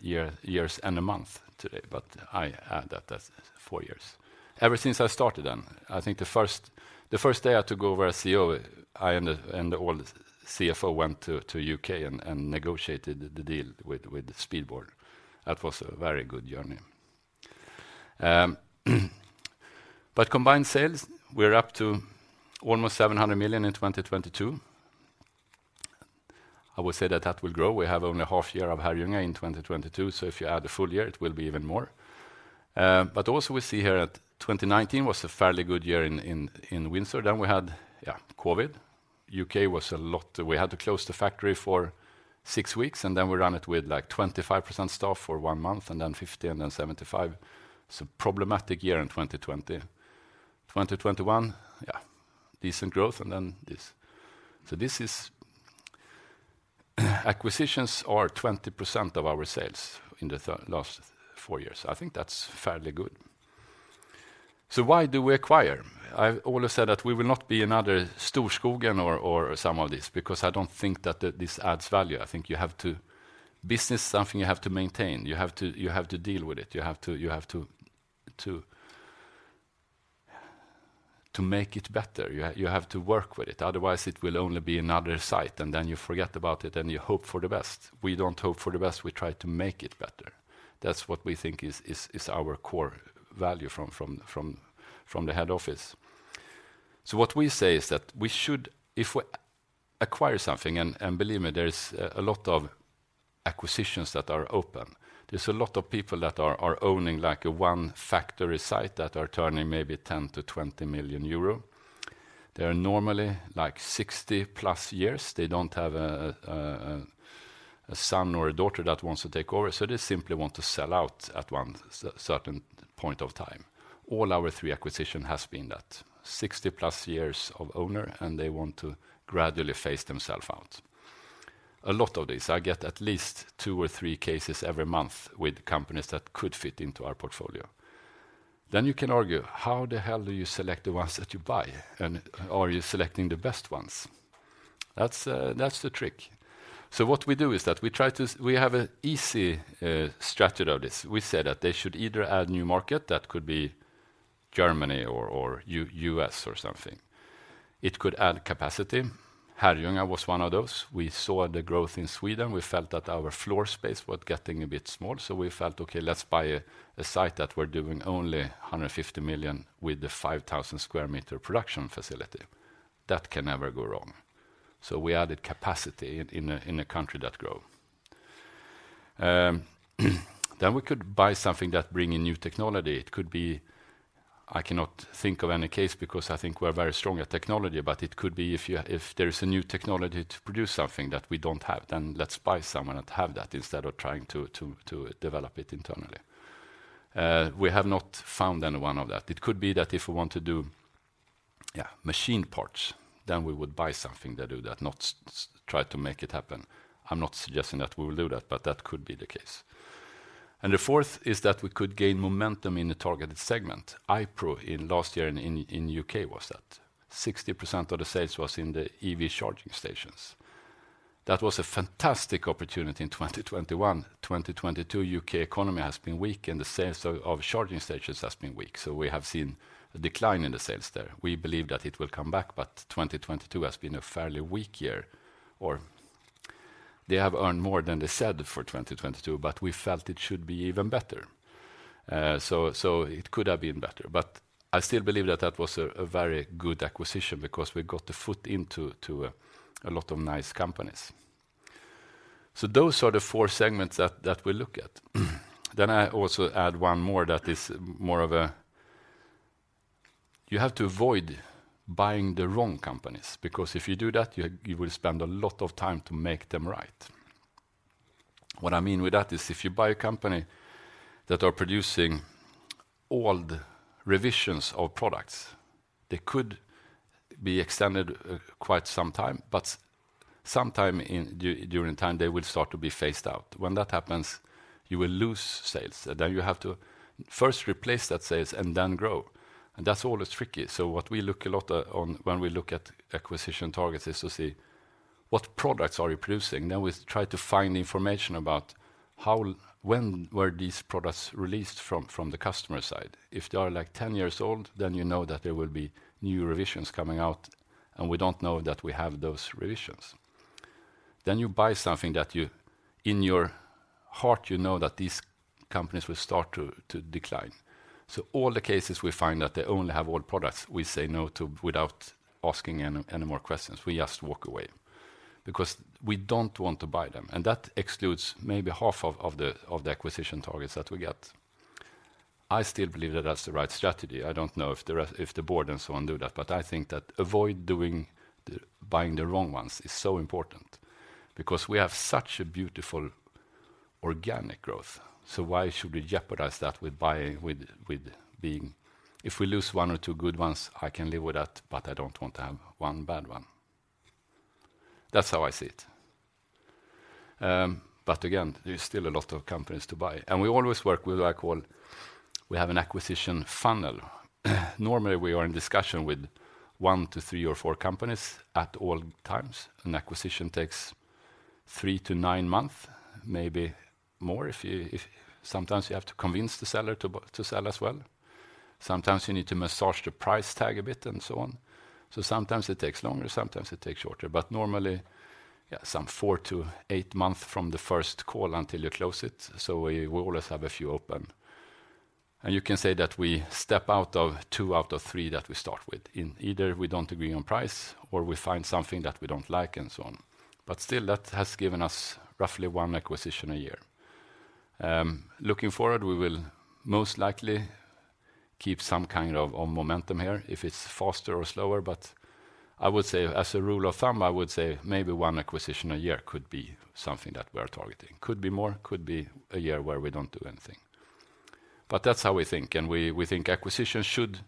years and a month today, but I add that as four years. Ever since I started then, I think the first day I took over as CEO, I and the old CFO went to U.K. and negotiated the deal with Speedboard. That was a very good journey. Combined sales, we're up to almost 700 million in 2022. I would say that that will grow. We have only a half year of Herrljunga in 2022, so if you add a full year, it will be even more. Also we see here that 2019 was a fairly good year in Windsor. We had, yeah, COVID. U.K. was a lot. We had to close the factory for six weeks, and then we run it with like 25% staff for one month, and then 50%, and then 75% It's a problematic year in 2020. 2021, yeah, decent growth, and then this. This is, acquisitions are 20% of our sales in the last four years. I think that's fairly good. Why do we acquire? I've always said that we will not be another Storskogen or some of this because I don't think that this adds value. I think you have to. Business is something you have to maintain. You have to deal with it. You have to make it better, you have to work with it, otherwise it will only be another site, and then you forget about it, and you hope for the best. We don't hope for the best, we try to make it better. That's what we think is our core value from the head office. What we say is that we should if we acquire something, and believe me, there is a lot of acquisitions that are open. There's a lot of people that are owning like a one factory site that are turning maybe 10 million-20 million euro. They're normally like 60+ years. They don't have a son or a daughter that wants to take over, so they simply want to sell out at one certain point of time. All our three acquisition has been that, 60+ years of owner, and they want to gradually phase themself out. A lot of these, I get at least two or three cases every month with companies that could fit into our portfolio. You can argue, how the hell do you select the ones that you buy, and are you selecting the best ones? That's the trick. What we do is that we try to we have a easy strategy of this. We say that they should either add new market, that could be Germany or U.S. or something. It could add capacity. Herrljunga was one of those. We saw the growth in Sweden. We felt that our floor space was getting a bit small, we felt, okay, let's buy a site that we're doing only 150 million with the 5,000 square meter production facility. That can never go wrong. We added capacity in a country that grow. Then we could buy something that bring in new technology. It could be, I cannot think of any case because I think we're very strong at technology, but it could be if there is a new technology to produce something that we don't have, then let's buy someone that have that instead of trying to develop it internally. We have not found any one of that. It could be that if we want to do, yeah, machine parts, then we would buy something that do that, not try to make it happen. I'm not suggesting that we will do that, but that could be the case. The fourth is that we could gain momentum in a targeted segment. iPRO last year in U.K. was that. 60% of the sales was in the EV charging stations. That was a fantastic opportunity in 2021. 2022, U.K. economy has been weak, and the sales of charging stations has been weak. We have seen a decline in the sales there. We believe that it will come back, but 2022 has been a fairly weak year. They have earned more than they said for 2022, but we felt it should be even better. So it could have been better. I still believe that that was a very good acquisition because we got the foot into a lot of nice companies. Those are the four segments that we look at. I also add one more that is more of a... You have to avoid buying the wrong companies. If you do that, you will spend a lot of time to make them right. What I mean with that is if you buy a company that are producing old revisions of products, they could be extended quite some time, but sometime in during time, they will start to be phased out. When that happens, you will lose sales. You have to first replace that sales and then grow. That's always tricky. What we look a lot on when we look at acquisition targets is to see what products are you producing. We try to find information about how, when were these products released from the customer side. If they are like 10 years old, then you know that there will be new revisions coming out, and we don't know that we have those revisions. You buy something that you, in your heart, you know that these companies will start to decline. All the cases we find that they only have old products, we say no to without asking any more questions. We just walk away because we don't want to buy them, and that excludes maybe half of the acquisition targets that we get. I still believe that that's the right strategy. I don't know if the board and so on do that, but I think that avoid buying the wrong ones is so important because we have such a beautiful organic growth. Why should we jeopardize that with buying, with being... If we lose one or two good ones, I can live with that, but I don't want to have one bad one. That's how I see it. Again, there's still a lot of companies to buy. We always work with what I call, we have an acquisition funnel. Normally, we are in discussion with one to three or four companies at all times. An acquisition takes three-nine months, maybe more if you sometimes have to convince the seller to sell as well. Sometimes you need to massage the price tag a bit and so on. Sometimes it takes longer, sometimes it takes shorter. Normally, some four-eight months from the first call until you close it. We always have a few open. You can say that we step out of two out of three that we start with. In either we don't agree on price or we find something that we don't like and so on. Still, that has given us roughly one acquisition a year. Looking forward, we will most likely keep some kind of momentum here if it's faster or slower. I would say, as a rule of thumb, I would say maybe one acquisition a year could be something that we are targeting. Could be more, could be a year where we don't do anything. That's how we think, and we think acquisitions should,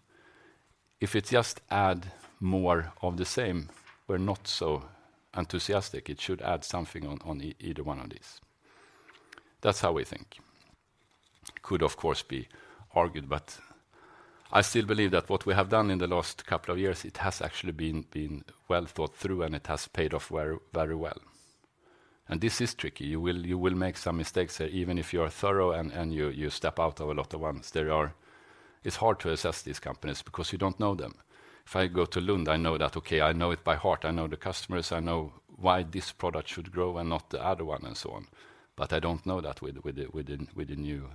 if it just add more of the same, we're not so enthusiastic. It should add something on either one of these. That's how we think. Could of course be argued, but I still believe that what we have done in the last couple of years, it has actually been well thought through, and it has paid off very, very well. This is tricky. You will make some mistakes here, even if you are thorough and you step out of a lot of ones. It's hard to assess these companies because you don't know them. If I go to Lund, I know that, okay, I know it by heart, I know the customers, I know why this product should grow and not the other one and so on. I don't know that with the new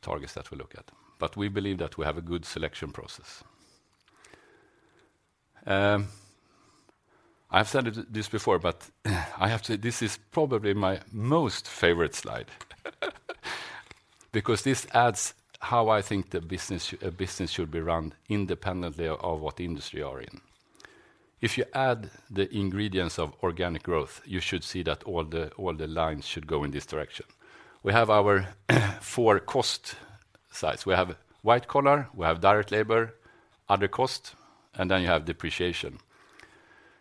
targets that we look at. We believe that we have a good selection process. I've said this before, I have to this is probably my most favorite slide because this adds how I think a business should be run independently of what industry you are in. If you add the ingredients of organic growth, you should see that all the lines should go in this direction. We have our four cost sides. We have white collar, we have direct labor, other cost, then you have depreciation.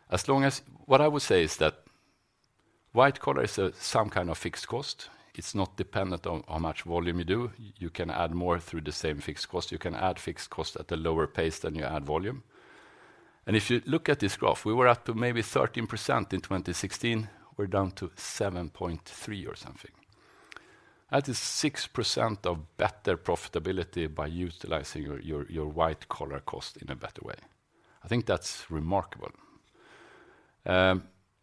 What I would say is that white collar is a some kind of fixed cost. It's not dependent on how much volume you do. You can add more through the same fixed cost. You can add fixed cost at a lower pace than you add volume. If you look at this graph, we were up to maybe 13% in 2016. We're down to 7.3% or something. That is 6% of better profitability by utilizing your white collar cost in a better way. I think that's remarkable.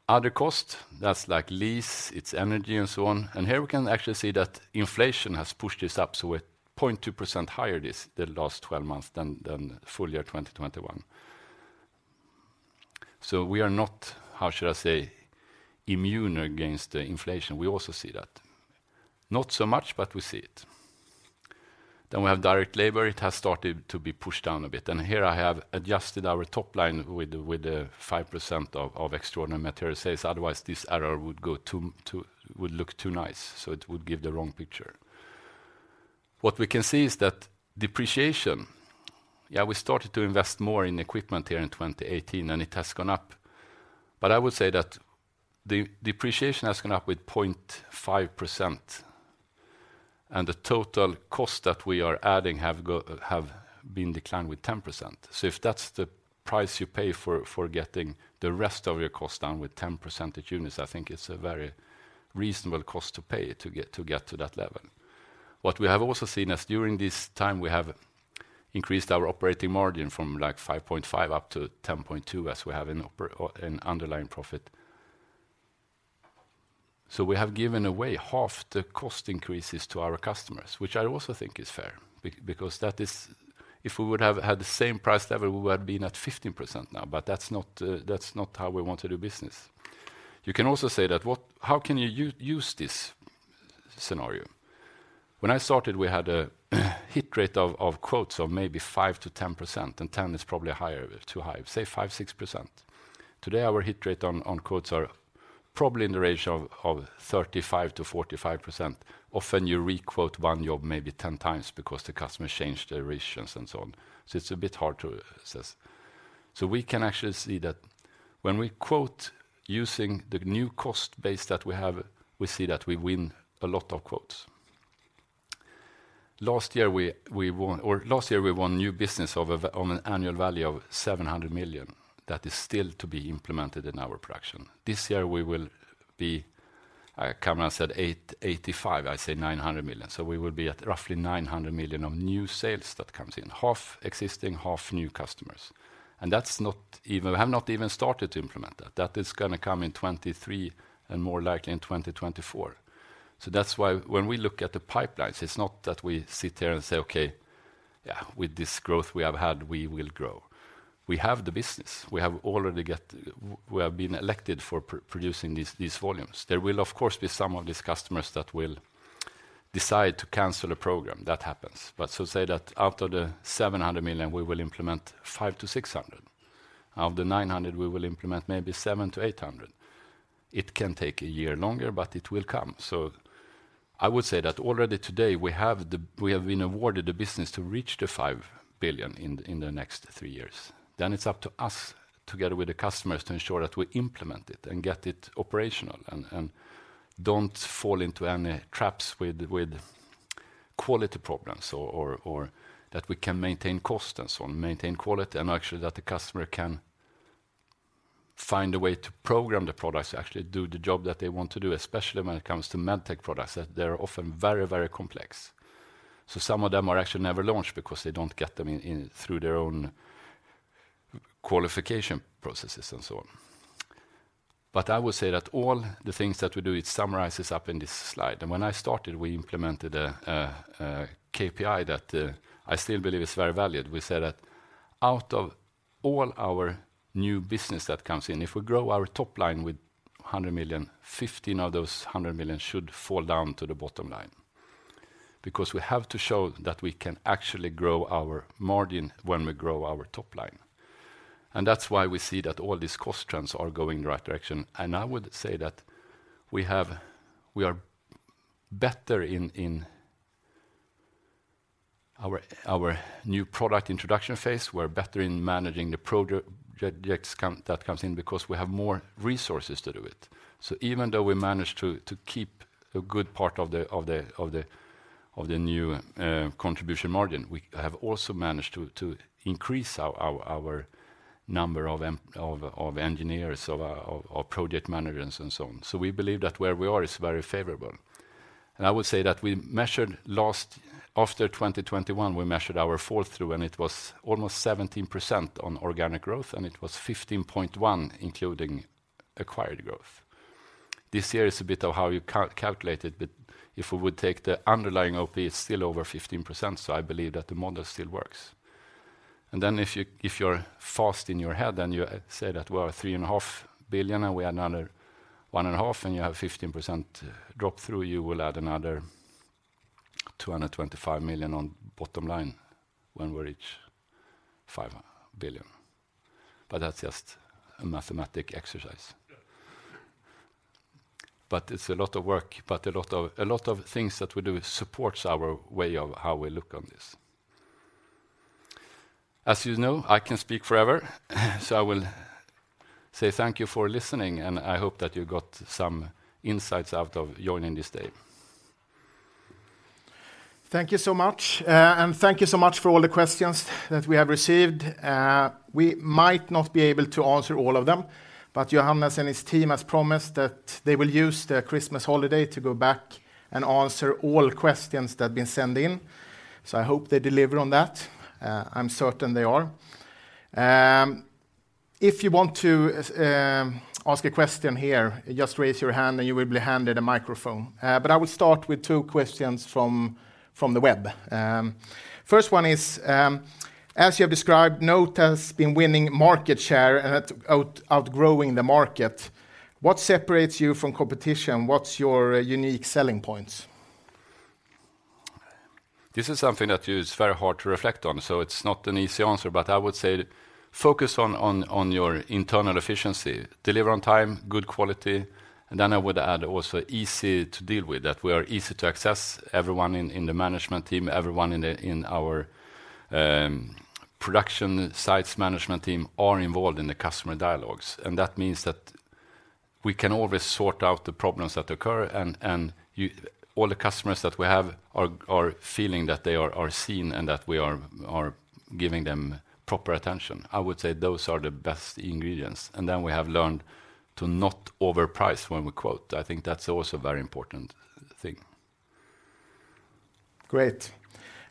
Other cost, that's like lease, it's energy and so on. Here we can actually see that inflation has pushed this up, so we're 0.2% higher this the last 12 months than full year 2021. We are not, how should I say, immune against the inflation. We also see that. Not so much, but we see it. We have direct labor. It has started to be pushed down a bit. Here I have adjusted our top line with the 5% of extraordinary material sales. Otherwise, this error would look too nice, so it would give the wrong picture. What we can see is that depreciation, yeah, we started to invest more in equipment here in 2018. It has gone up. I would say that the depreciation has gone up with 0.5%. The total cost that we are adding have been declined with 10%. If that's the price you pay for getting the rest of your cost down with 10 percentage units, I think it's a very reasonable cost to pay to get to that level. What we have also seen is during this time, we have increased our operating margin from like 5.5 up to 10.2 as we have in underlying profit. We have given away half the cost increases to our customers, which I also think is fair because that is if we would have had the same price level, we would have been at 15% now, but that's not, that's not how we want to do business. You can also say that how can you use this scenario? When I started, we had a hit rate of quotes of maybe 5%-10%, and 10% is probably higher, too high, say 5%, 6%. Today, our hit rate on quotes are probably in the range of 35%-45%. Often, you re-quote one job maybe 10 times because the customer changed their ratios and so on. It's a bit hard to assess. We can actually see that when we quote using the new cost base that we have, we see that we win a lot of quotes. Last year, we won new business on an annual value of 700 million that is still to be implemented in our production. This year, we will be, Cameron said 885 million, I say 900 million. We will be at roughly 900 million of new sales that comes in, half existing, half new customers. We have not even started to implement that. That is gonna come in 2023 and more likely in 2024. That's why when we look at the pipelines, it's not that we sit there and say, "Okay, yeah, with this growth we have had, we will grow." We have the business. We have been elected for producing these volumes. There will, of course, be some of these customers that will decide to cancel a program, that happens. Say that out of the 700 million, we will implement 500 million-600 million. Out of the 900 million, we will implement maybe 700 million-800 million. It can take a year longer, but it will come. I would say that already today, we have been awarded the business to reach the 5 billion in the next three years. It's up to us, together with the customers, to ensure that we implement it and get it operational and don't fall into any traps with quality problems or that we can maintain cost and so on, maintain quality, and actually that the customer can find a way to program the products to actually do the job that they want to do, especially when it comes to MedTech products, that they're often very, very complex. Some of them are actually never launched because they don't get them in through their own qualification processes and so on. I would say that all the things that we do, it summarizes up in this slide. When I started, we implemented a KPI that I still believe is very valid. We said that out of all our new business that comes in, if we grow our top line with 100 million, 15 of those 100 million should fall down to the bottom line because we have to show that we can actually grow our margin when we grow our top line. That's why we see that all these cost trends are going in the right direction. I would say that we are better in our new product introduction phase. We're better in managing the projects count that comes in because we have more resources to do it. Even though we managed to keep a good part of the new contribution margin, we have also managed to increase our number of engineers, of project managers, and so on. We believe that where we are is very favorable. I would say that we measured last after 2021, we measured our fall-through, and it was almost 17% on organic growth, and it was 15.1% including acquired growth. This year is a bit of how you calculate it. If we would take the underlying OP, it's still over 15%. I believe that the model still works. If you, if you're fast in your head, you say that we are 3.5 billion, and we add another 1.5 billion, and you have 15% drop-through, you will add another 225 million on bottom line when we reach 5 billion. That's just a mathematic exercise. Yeah. It's a lot of work, but a lot of things that we do supports our way of how we look on this. As you know, I can speak forever, so I will say thank you for listening, and I hope that you got some insights out of joining this day. Thank you so much. Thank you so much for all the questions that we have received. We might not be able to answer all of them, but Johannes and his team has promised that they will use their Christmas holiday to go back and answer all questions that have been sent in. I hope they deliver on that. I'm certain they are. If you want to ask a question here, just raise your hand, and you will be handed a microphone. I will start with two questions from the web. First one is, as you have described, NOTE has been winning market share and outgrowing the market. What separates you from competition? What's your unique selling points? This is something that is very hard to reflect on, so it's not an easy answer. I would say focus on your internal efficiency, deliver on time, good quality, and I would add also easy to deal with, that we are easy to access. Everyone in the management team, everyone in our production sites management team are involved in the customer dialogues. That means that we can always sort out the problems that occur, and all the customers that we have are feeling that they are seen and that we are giving them proper attention. I would say those are the best ingredients. We have learned to not overprice when we quote. I think that's also a very important thing. Great.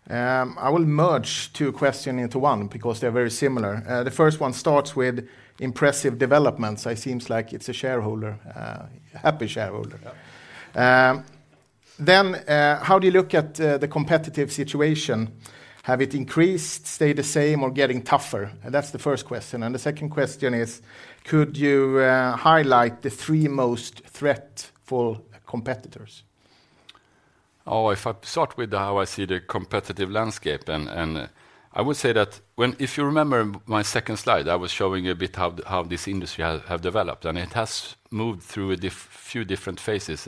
I will merge 2 questions into one because they're very similar. The first one starts with impressive developments. It seems like it's a shareholder, happy shareholder. Yeah. How do you look at the competitive situation? Have it increased, stayed the same or getting tougher? That's the first question. The second question is, could you highlight the three most threat for competitors? Oh, if I start with how I see the competitive landscape, and I would say that if you remember my second slide, I was showing you a bit how this industry has, have developed, and it has moved through a few different phases.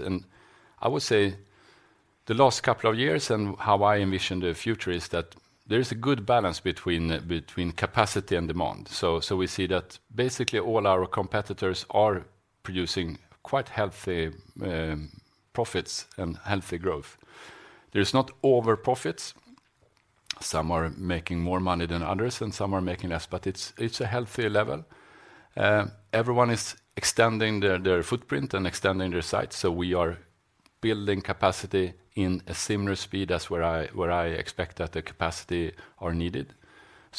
I would say the last couple of years and how I envision the future is that there is a good balance between capacity and demand. So we see that basically all our competitors are producing quite healthy profits and healthy growth. There is not overprofits. Some are making more money than others, and some are making less, but it's a healthy level. Everyone is extending their footprint and extending their site. We are building capacity in a similar speed as where I expect that the capacity are needed.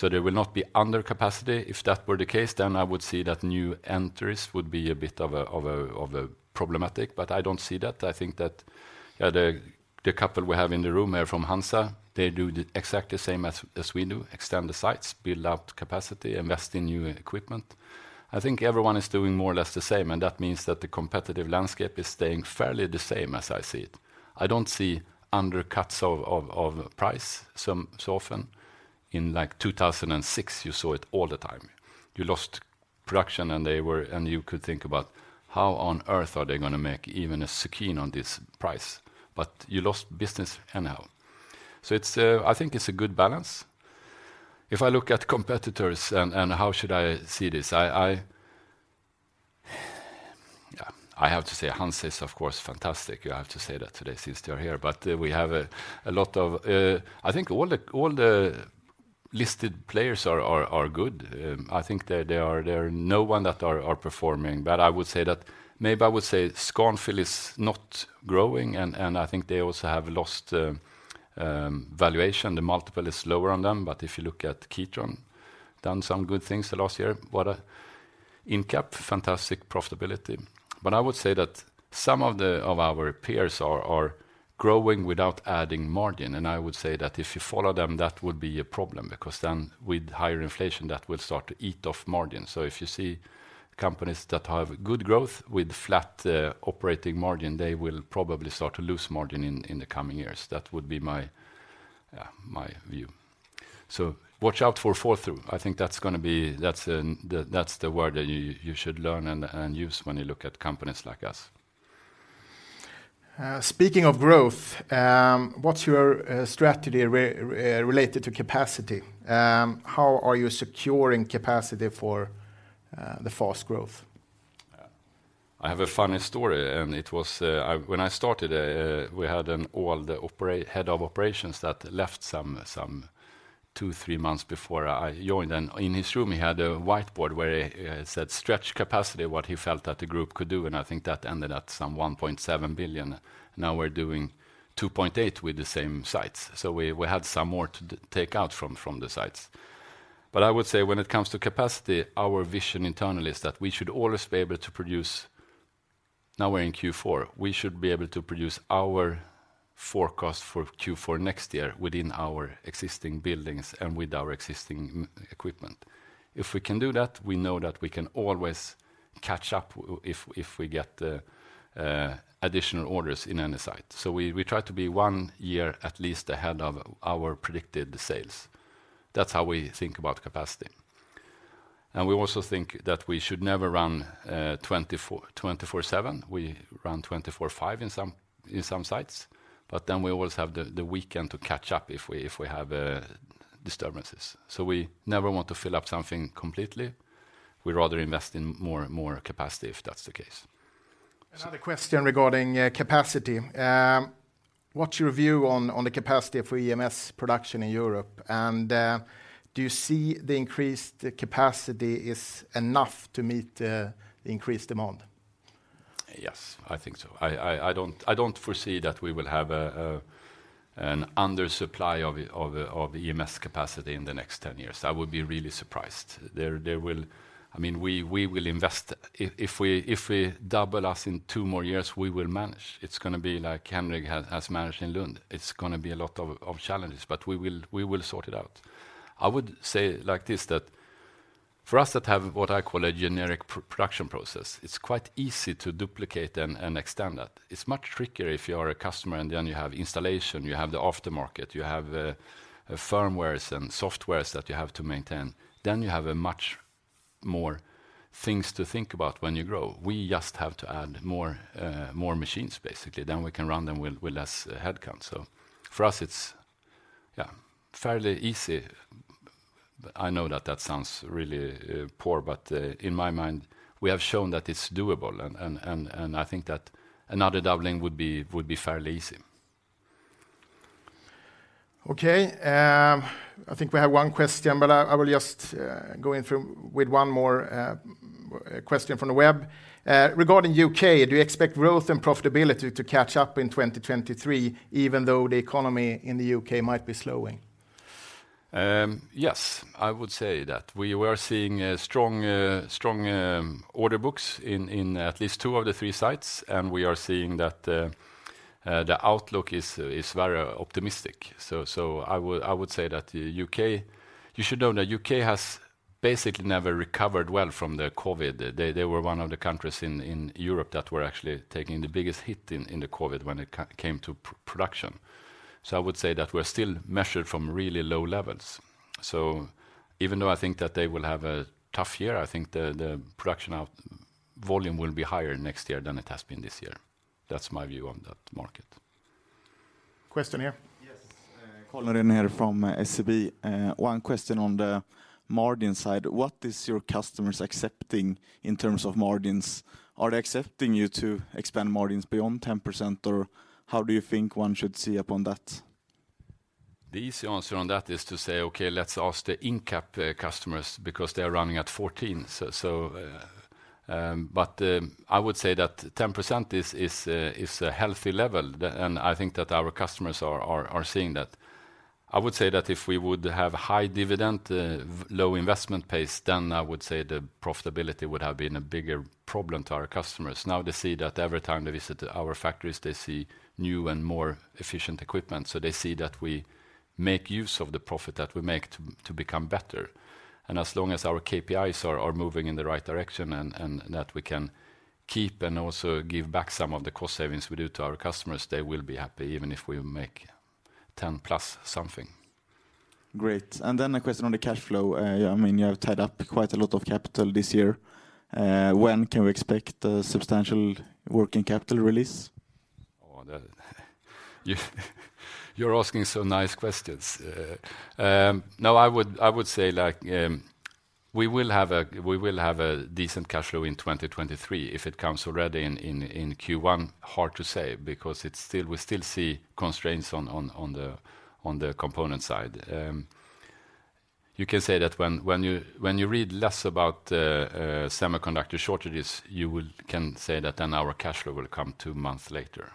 There will not be under capacity. If that were the case, then I would see that new entries would be a bit of a problematic, but I don't see that. I think that the couple we have in the room are from HANZA. They do the exactly same as we do, extend the sites, build out capacity, invest in new equipment. I think everyone is doing more or less the same, that means that the competitive landscape is staying fairly the same as I see it. I don't see undercuts of price so often. In like 2006, you saw it all the time. You lost production, you could think about how on earth are they gonna make even SEK 1 on this price? You lost business anyhow. It's, I think it's a good balance. If I look at competitors and how should I see this, I have to say HANZA is of course fantastic. I have to say that today since they are here. We have a lot of, I think all the listed players are good. I think there are no one that are performing. I would say that maybe I would say Scanfil is not growing, and I think they also have lost valuation. The multiple is lower on them. If you look at Kitron, done some good things the last year. Incap, fantastic profitability. I would say that some of the of our peers are growing without adding margin. I would say that if you follow them, that would be a problem because then with higher inflation, that will start to eat off margin. If you see companies that have good growth with flat operating margin, they will probably start to lose margin in the coming years. That would be my view. Watch out for fall-through. I think that's the word that you should learn and use when you look at companies like us. Speaking of growth, what's your strategy related to capacity? How are you securing capacity for the fast growth? I have a funny story. It was when I started, we had an old head of operations that left two, three months before I joined. In his room, he had a whiteboard where it said, "Stretch capacity," what he felt that the group could do. I think that ended at some 1.7 billion. Now we're doing 2.8 billion with the same sites. We had some more to take out from the sites. I would say when it comes to capacity, our vision internally is that we should always be able to produce. Now we're in Q4, we should be able to produce our forecast for Q4 next year within our existing buildings and with our existing equipment. If we can do that, we know that we can always catch up if we get the additional orders in any site. We try to be one year at least ahead of our predicted sales. That's how we think about capacity. We also think that we should never run 24/7. We run 24/5 in some sites. We always have the weekend to catch up if we have disturbances. We never want to fill up something completely. We'd rather invest in more capacity if that's the case. Another question regarding capacity. What's your view on the capacity for EMS production in Europe? Do you see the increased capacity is enough to meet the increased demand? Yes, I think so. I don't foresee that we will have an undersupply of EMS capacity in the next 10 years. I would be really surprised. There will. I mean, we will invest. If we double us in two more years, we will manage. It's gonna be like Henrik has managed in Lund. It's gonna be a lot of challenges, but we will, we will sort it out. I would say like this, that for us that have what I call a generic production process, it's quite easy to duplicate and extend that. It's much trickier if you are a customer, and then you have installation, you have the aftermarket, you have firmwares and softwares that you have to maintain. Then you have much more things to think about when you grow. We just have to add more, more machines, basically. We can run them with less headcount. For us, it's, yeah, fairly easy. I know that that sounds really, poor, but, in my mind, we have shown that it's doable and I think that another doubling would be fairly easy. I think we have one question, but I will just go in through with one more question from the web. Regarding U.K., do you expect growth and profitability to catch up in 2023, even though the economy in the U.K. Might be slowing? Yes, I would say that. We are seeing a strong order books in at least two of the three sites, and we are seeing that the outlook is very optimistic. I would say that U.K. You should know that U.K. has basically never recovered well from the COVID. They were one of the countries in Europe that were actually taking the biggest hit in the COVID when it came to production. I would say that we're still measured from really low levels. Even though I think that they will have a tough year, I think the production out volume will be higher next year than it has been this year. That's my view on that market. Question here. Yes. Collin Rehn from SCB. One question on the margin side. What is your customers accepting in terms of margins? Are they accepting you to expand margins beyond 10%, or how do you think one should see upon that? The easy answer on that is to say, "Okay, let's ask the Incap customers because they are running at 14." I would say that 10% is a healthy level, and I think that our customers are seeing that. I would say that if we would have high dividend, low investment pace, then I would say the profitability would have been a bigger problem to our customers. They see that every time they visit our factories, they see new and more efficient equipment. They see that we make use of the profit that we make to become better. As long as our KPIs are moving in the right direction and that we can keep and also give back some of the cost savings we do to our customers, they will be happy even if we make 10 plus something. Great. A question on the cash flow. I mean, you have tied up quite a lot of capital this year. When can we expect a substantial working capital release? Oh, that. You're asking some nice questions. No, I would say like, we will have a decent cash flow in 2023. If it comes already in Q1, hard to say because we still see constraints on the component side. You can say that when you read less about semiconductor shortages, you can say that then our cash flow will come two months later.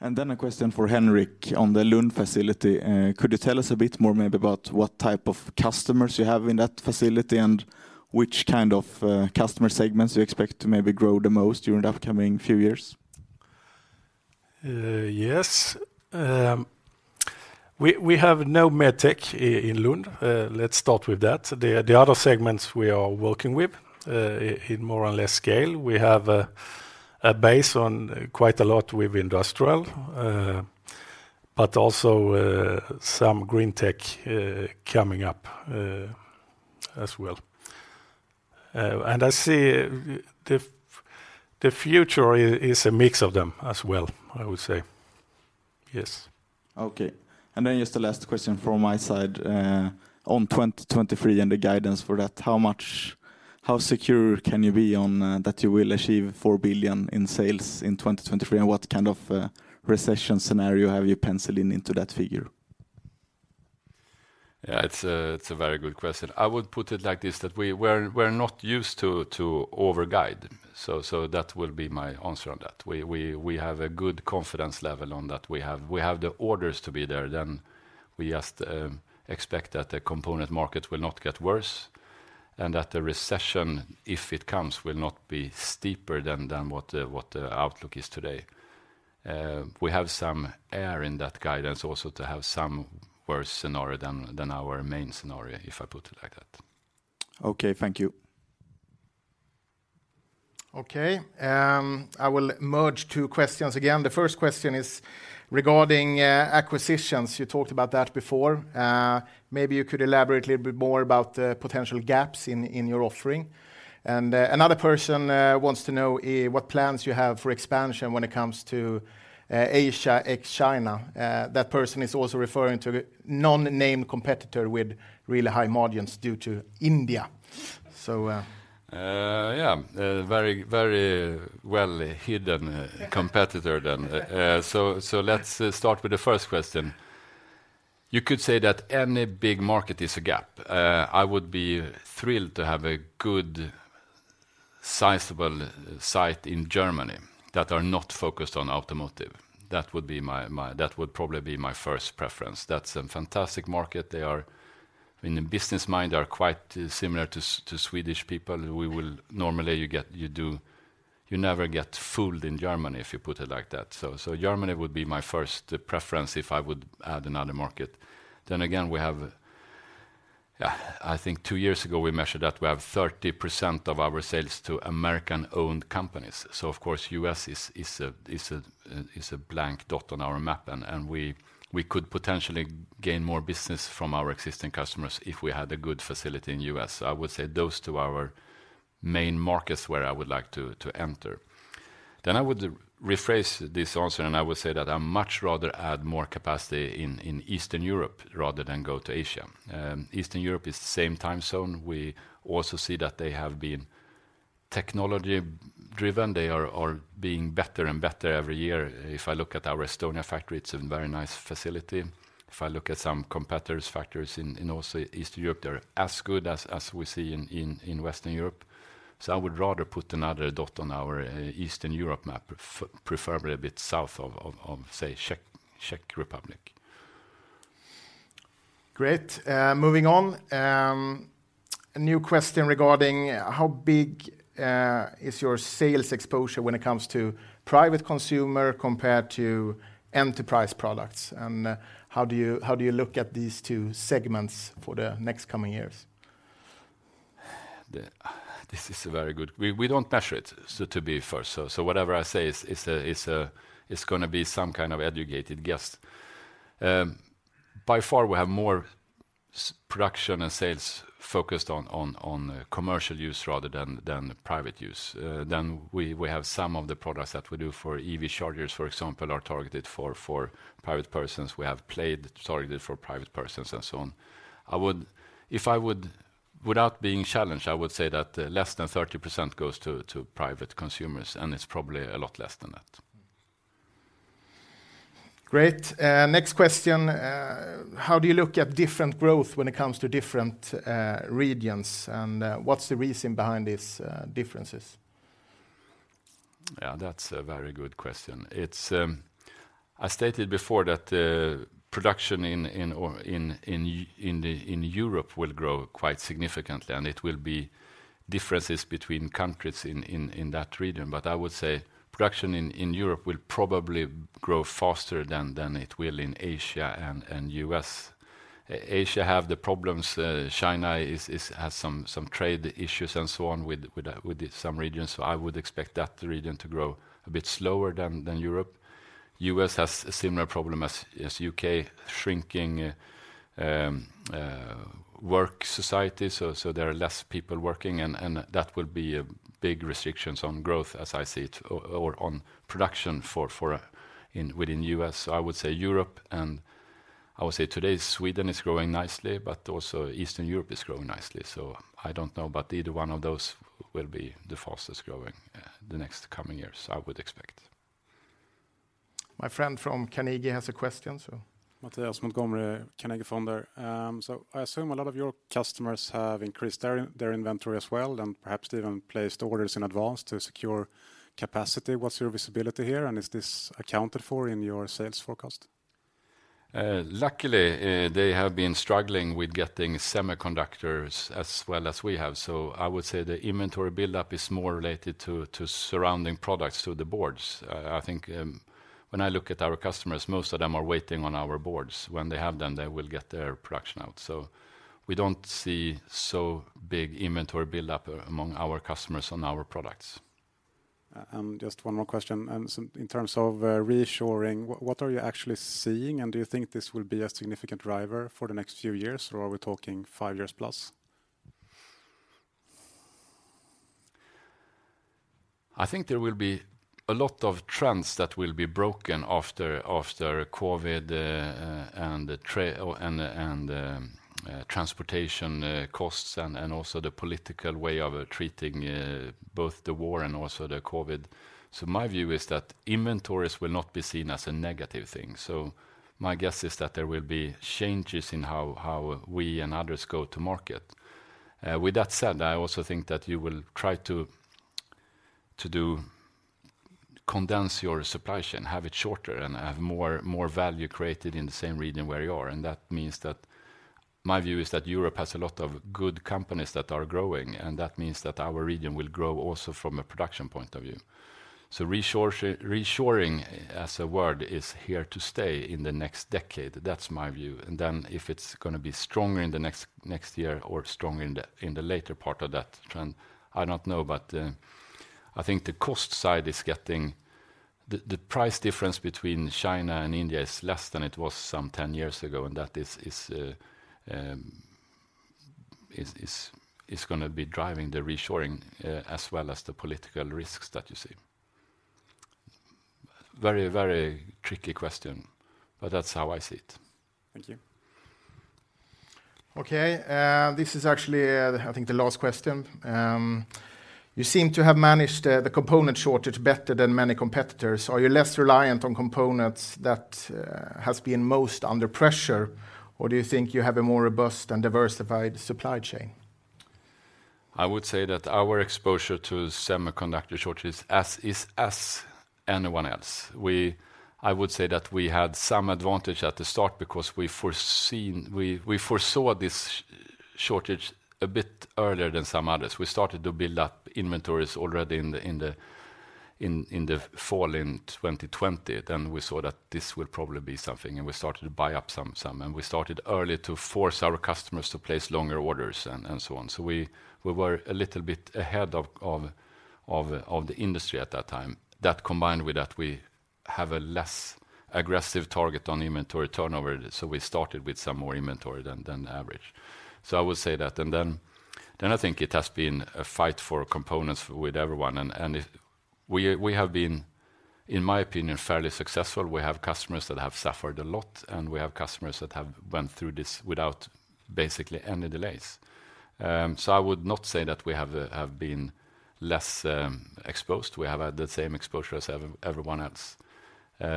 Okay. Then a question for Henrik on the Lund facility. Could you tell us a bit more maybe about what type of customers you have in that facility and which kind of customer segments you expect to maybe grow the most during the upcoming few years? We have no MedTech in Lund. Let's start with that. The other segments we are working with in more or less scale, we have a base on quite a lot with industrial, but also some Greentech coming up as well. And I see the future is a mix of them as well, I would say Yes. Okay. Just the last question from my side, on 2023 and the guidance for that, how secure can you be on that you will achieve 4 billion in sales in 2023? What kind of a recession scenario have you penciled into that figure? It's a very good question. I would put it like this, that we're not used to over-guide. That will be my answer on that. We have a good confidence level on that. We have the orders to be there, we just expect that the component market will not get worse, and that the recession, if it comes, will not be steeper than what the outlook is today. We have some air in that guidance also to have some worse scenario than our main scenario, if I put it like that. Okay. Thank you. Okay. I will merge two questions again. The first question is regarding acquisitions. You talked about that before. Maybe you could elaborate a little bit more about the potential gaps in your offering. Another person wants to know what plans you have for expansion when it comes to Asia ex China. That person is also referring to non-name competitor with really high margins due to India. Yeah, a very, very well-hidden competitor then. Let's start with the first question. You could say that any big market is a gap. I would be thrilled to have a good sizable site in Germany that are not focused on automotive. That would probably be my first preference. That's a fantastic market. They are, in the business mind, are quite similar to Swedish people. We will normally you never get fooled in Germany, if you put it like that. Germany would be my first preference if I would add another market. I think two years ago, we measured that we have 30% of our sales to American-owned companies. Of course, U.S. is a blank dot on our map, and we could potentially gain more business from our existing customers if we had a good facility in U.S. I would say those two are our main markets where I would like to enter. I would rephrase this answer, I would say that I much rather add more capacity in Eastern Europe rather than go to Asia. Eastern Europe is the same time zone. We also see that they have been technology-driven. They are being better and better every year. If I look at our Estonia factory, it's a very nice facility. If I look at some competitors' factories in also Eastern Europe, they're as good as we see in Western Europe. I would rather put another dot on our Eastern Europe map, preferably a bit south of, say, Czech Republic. Great. Moving on, a new question regarding how big is your sales exposure when it comes to private consumer compared to enterprise products? How do you look at these two segments for the next coming years? This is very good. We don't measure it, so to be fair, so whatever I say is a, is gonna be some kind of educated guess. By far, we have more production and sales focused on commercial use rather than private use. We have some of the products that we do for EV chargers, for example, are targeted for private persons. We have played targeted for private persons and so on. If I would, without being challenged, I would say that less than 30% goes to private consumers, and it's probably a lot less than that. Great. Next question, how do you look at different growth when it comes to different regions? What's the reason behind these differences? Yeah, that's a very good question. It's, I stated before that production in Europe will grow quite significantly, and it will be differences between countries in that region. I would say production in Europe will probably grow faster than it will in Asia and U.S. Asia have the problems, China is, has some trade issues and so on with some regions. I would expect that region to grow a bit slower than Europe. U.S. has a similar problem as U.K., shrinking work society. There are less people working, and that will be a big restrictions on growth as I see it or on production for within U.S. I would say Europe, and I would say today, Sweden is growing nicely, but also Eastern Europe is growing nicely. I don't know, but either one of those will be the fastest growing, the next coming years, I would expect. My friend from Carnegie has a question. Mattias Montgomery from Carnegie Fonder. I assume a lot of your customers have increased their inventory as well, and perhaps even placed orders in advance to secure capacity. What's your visibility here, and is this accounted for in your sales forecast? Luckily, they have been struggling with getting semiconductors as well as we have. I would say the inventory buildup is more related to surrounding products to the boards. I think, when I look at our customers, most of them are waiting on our boards. When they have them, they will get their production out. We don't see so big inventory buildup among our customers on our products. Just one more question. In terms of reshoring, what are you actually seeing? Do you think this will be a significant driver for the next few years, or are we talking five years plus? I think there will be a lot of trends that will be broken after COVID and the transportation costs and also the political way of treating both the war and also the COVID. My view is that inventories will not be seen as a negative thing. My guess is that there will be changes in how we and others go to market. With that said, I also think that you will try to condense your supply chain, have it shorter, and have more value created in the same region where you are. That means that my view is that Europe has a lot of good companies that are growing, and that means that our region will grow also from a production point of view. Reshoring as a word is here to stay in the next decade. That's my view. If it's gonna be stronger in the next year or stronger in the later part of that trend, I don't know. The price difference between China and India is less than it was some 10 years ago, and that is gonna be driving the reshoring as well as the political risks that you see. Very, very tricky question. That's how I see it. Thank you. Okay. This is actually, I think, the last question. You seem to have managed the component shortage better than many competitors. Are you less reliant on components that has been most under pressure, or do you think you have a more robust and diversified supply chain? I would say that our exposure to semiconductor shortage is as anyone else. I would say that we had some advantage at the start because we foreseen, we foresaw this shortage a bit earlier than some others. We started to build up inventories already in the fall in 2020. We saw that this would probably be something, we started to buy up some. We started early to force our customers to place longer orders and so on. We were a little bit ahead of the industry at that time. That combined with that we have a less aggressive target on inventory turnover, so we started with some more inventory than average. I would say that. Then I think it has been a fight for components with everyone. We have been, in my opinion, fairly successful. We have customers that have suffered a lot, and we have customers that have went through this without basically any delays. So I would not say that we have been less exposed. We have had the same exposure as everyone else.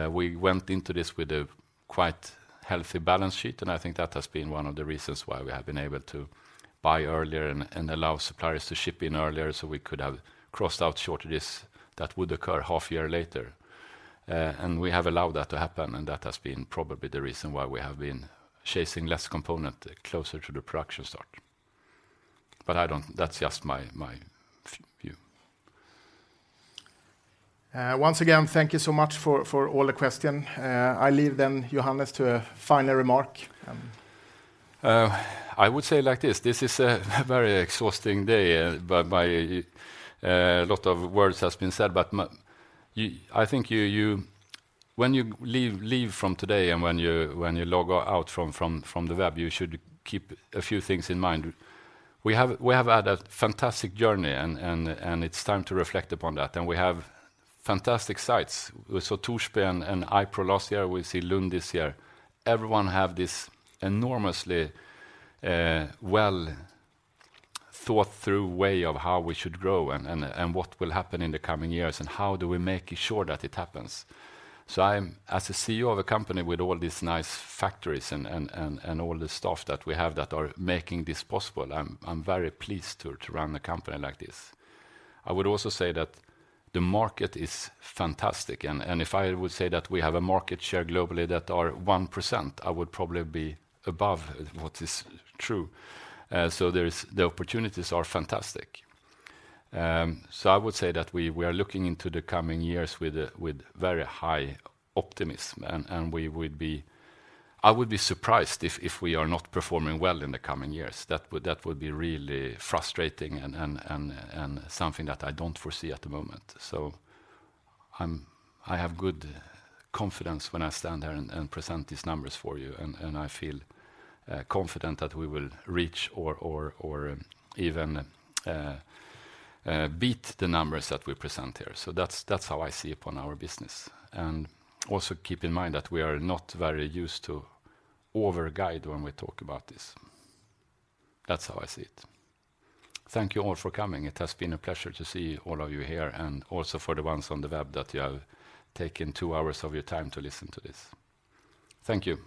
We went into this with a quite healthy balance sheet, and I think that has been one of the reasons why we have been able to buy earlier and allow suppliers to ship in earlier, so we could have crossed out shortages that would occur half year later. We have allowed that to happen, and that has been probably the reason why we have been chasing less component closer to the production start. That's just my view. Once again, thank you so much for all the question. I leave Johannes to a final remark. I would say like this is a very exhausting day by lot of words has been said. I think you when you leave from today and when you log out from the web, you should keep a few things in mind. We have had a fantastic journey and it's time to reflect upon that. We have fantastic sites. We saw Torsby and iPRO last year. We see Lund this year. Everyone have this enormously well-thought-through way of how we should grow and what will happen in the coming years, and how do we make sure that it happens. I'm, as a CEO of a company with all these nice factories and all the staff that we have that are making this possible, I'm very pleased to run a company like this. I would also say that the market is fantastic. If I would say that we have a market share globally that are 1%, I would probably be above what is true. The opportunities are fantastic. I would say that we are looking into the coming years with very high optimism, and I would be surprised if we are not performing well in the coming years. That would be really frustrating and something that I don't foresee at the moment. I have good confidence when I stand here and present these numbers for you, and I feel confident that we will reach or even beat the numbers that we present here. That's how I see upon our business. Also keep in mind that we are not very used to over-guide when we talk about this. That's how I see it. Thank you all for coming. It has been a pleasure to see all of you here, and also for the ones on the web that you have taken two hours of your time to listen to this. Thank you.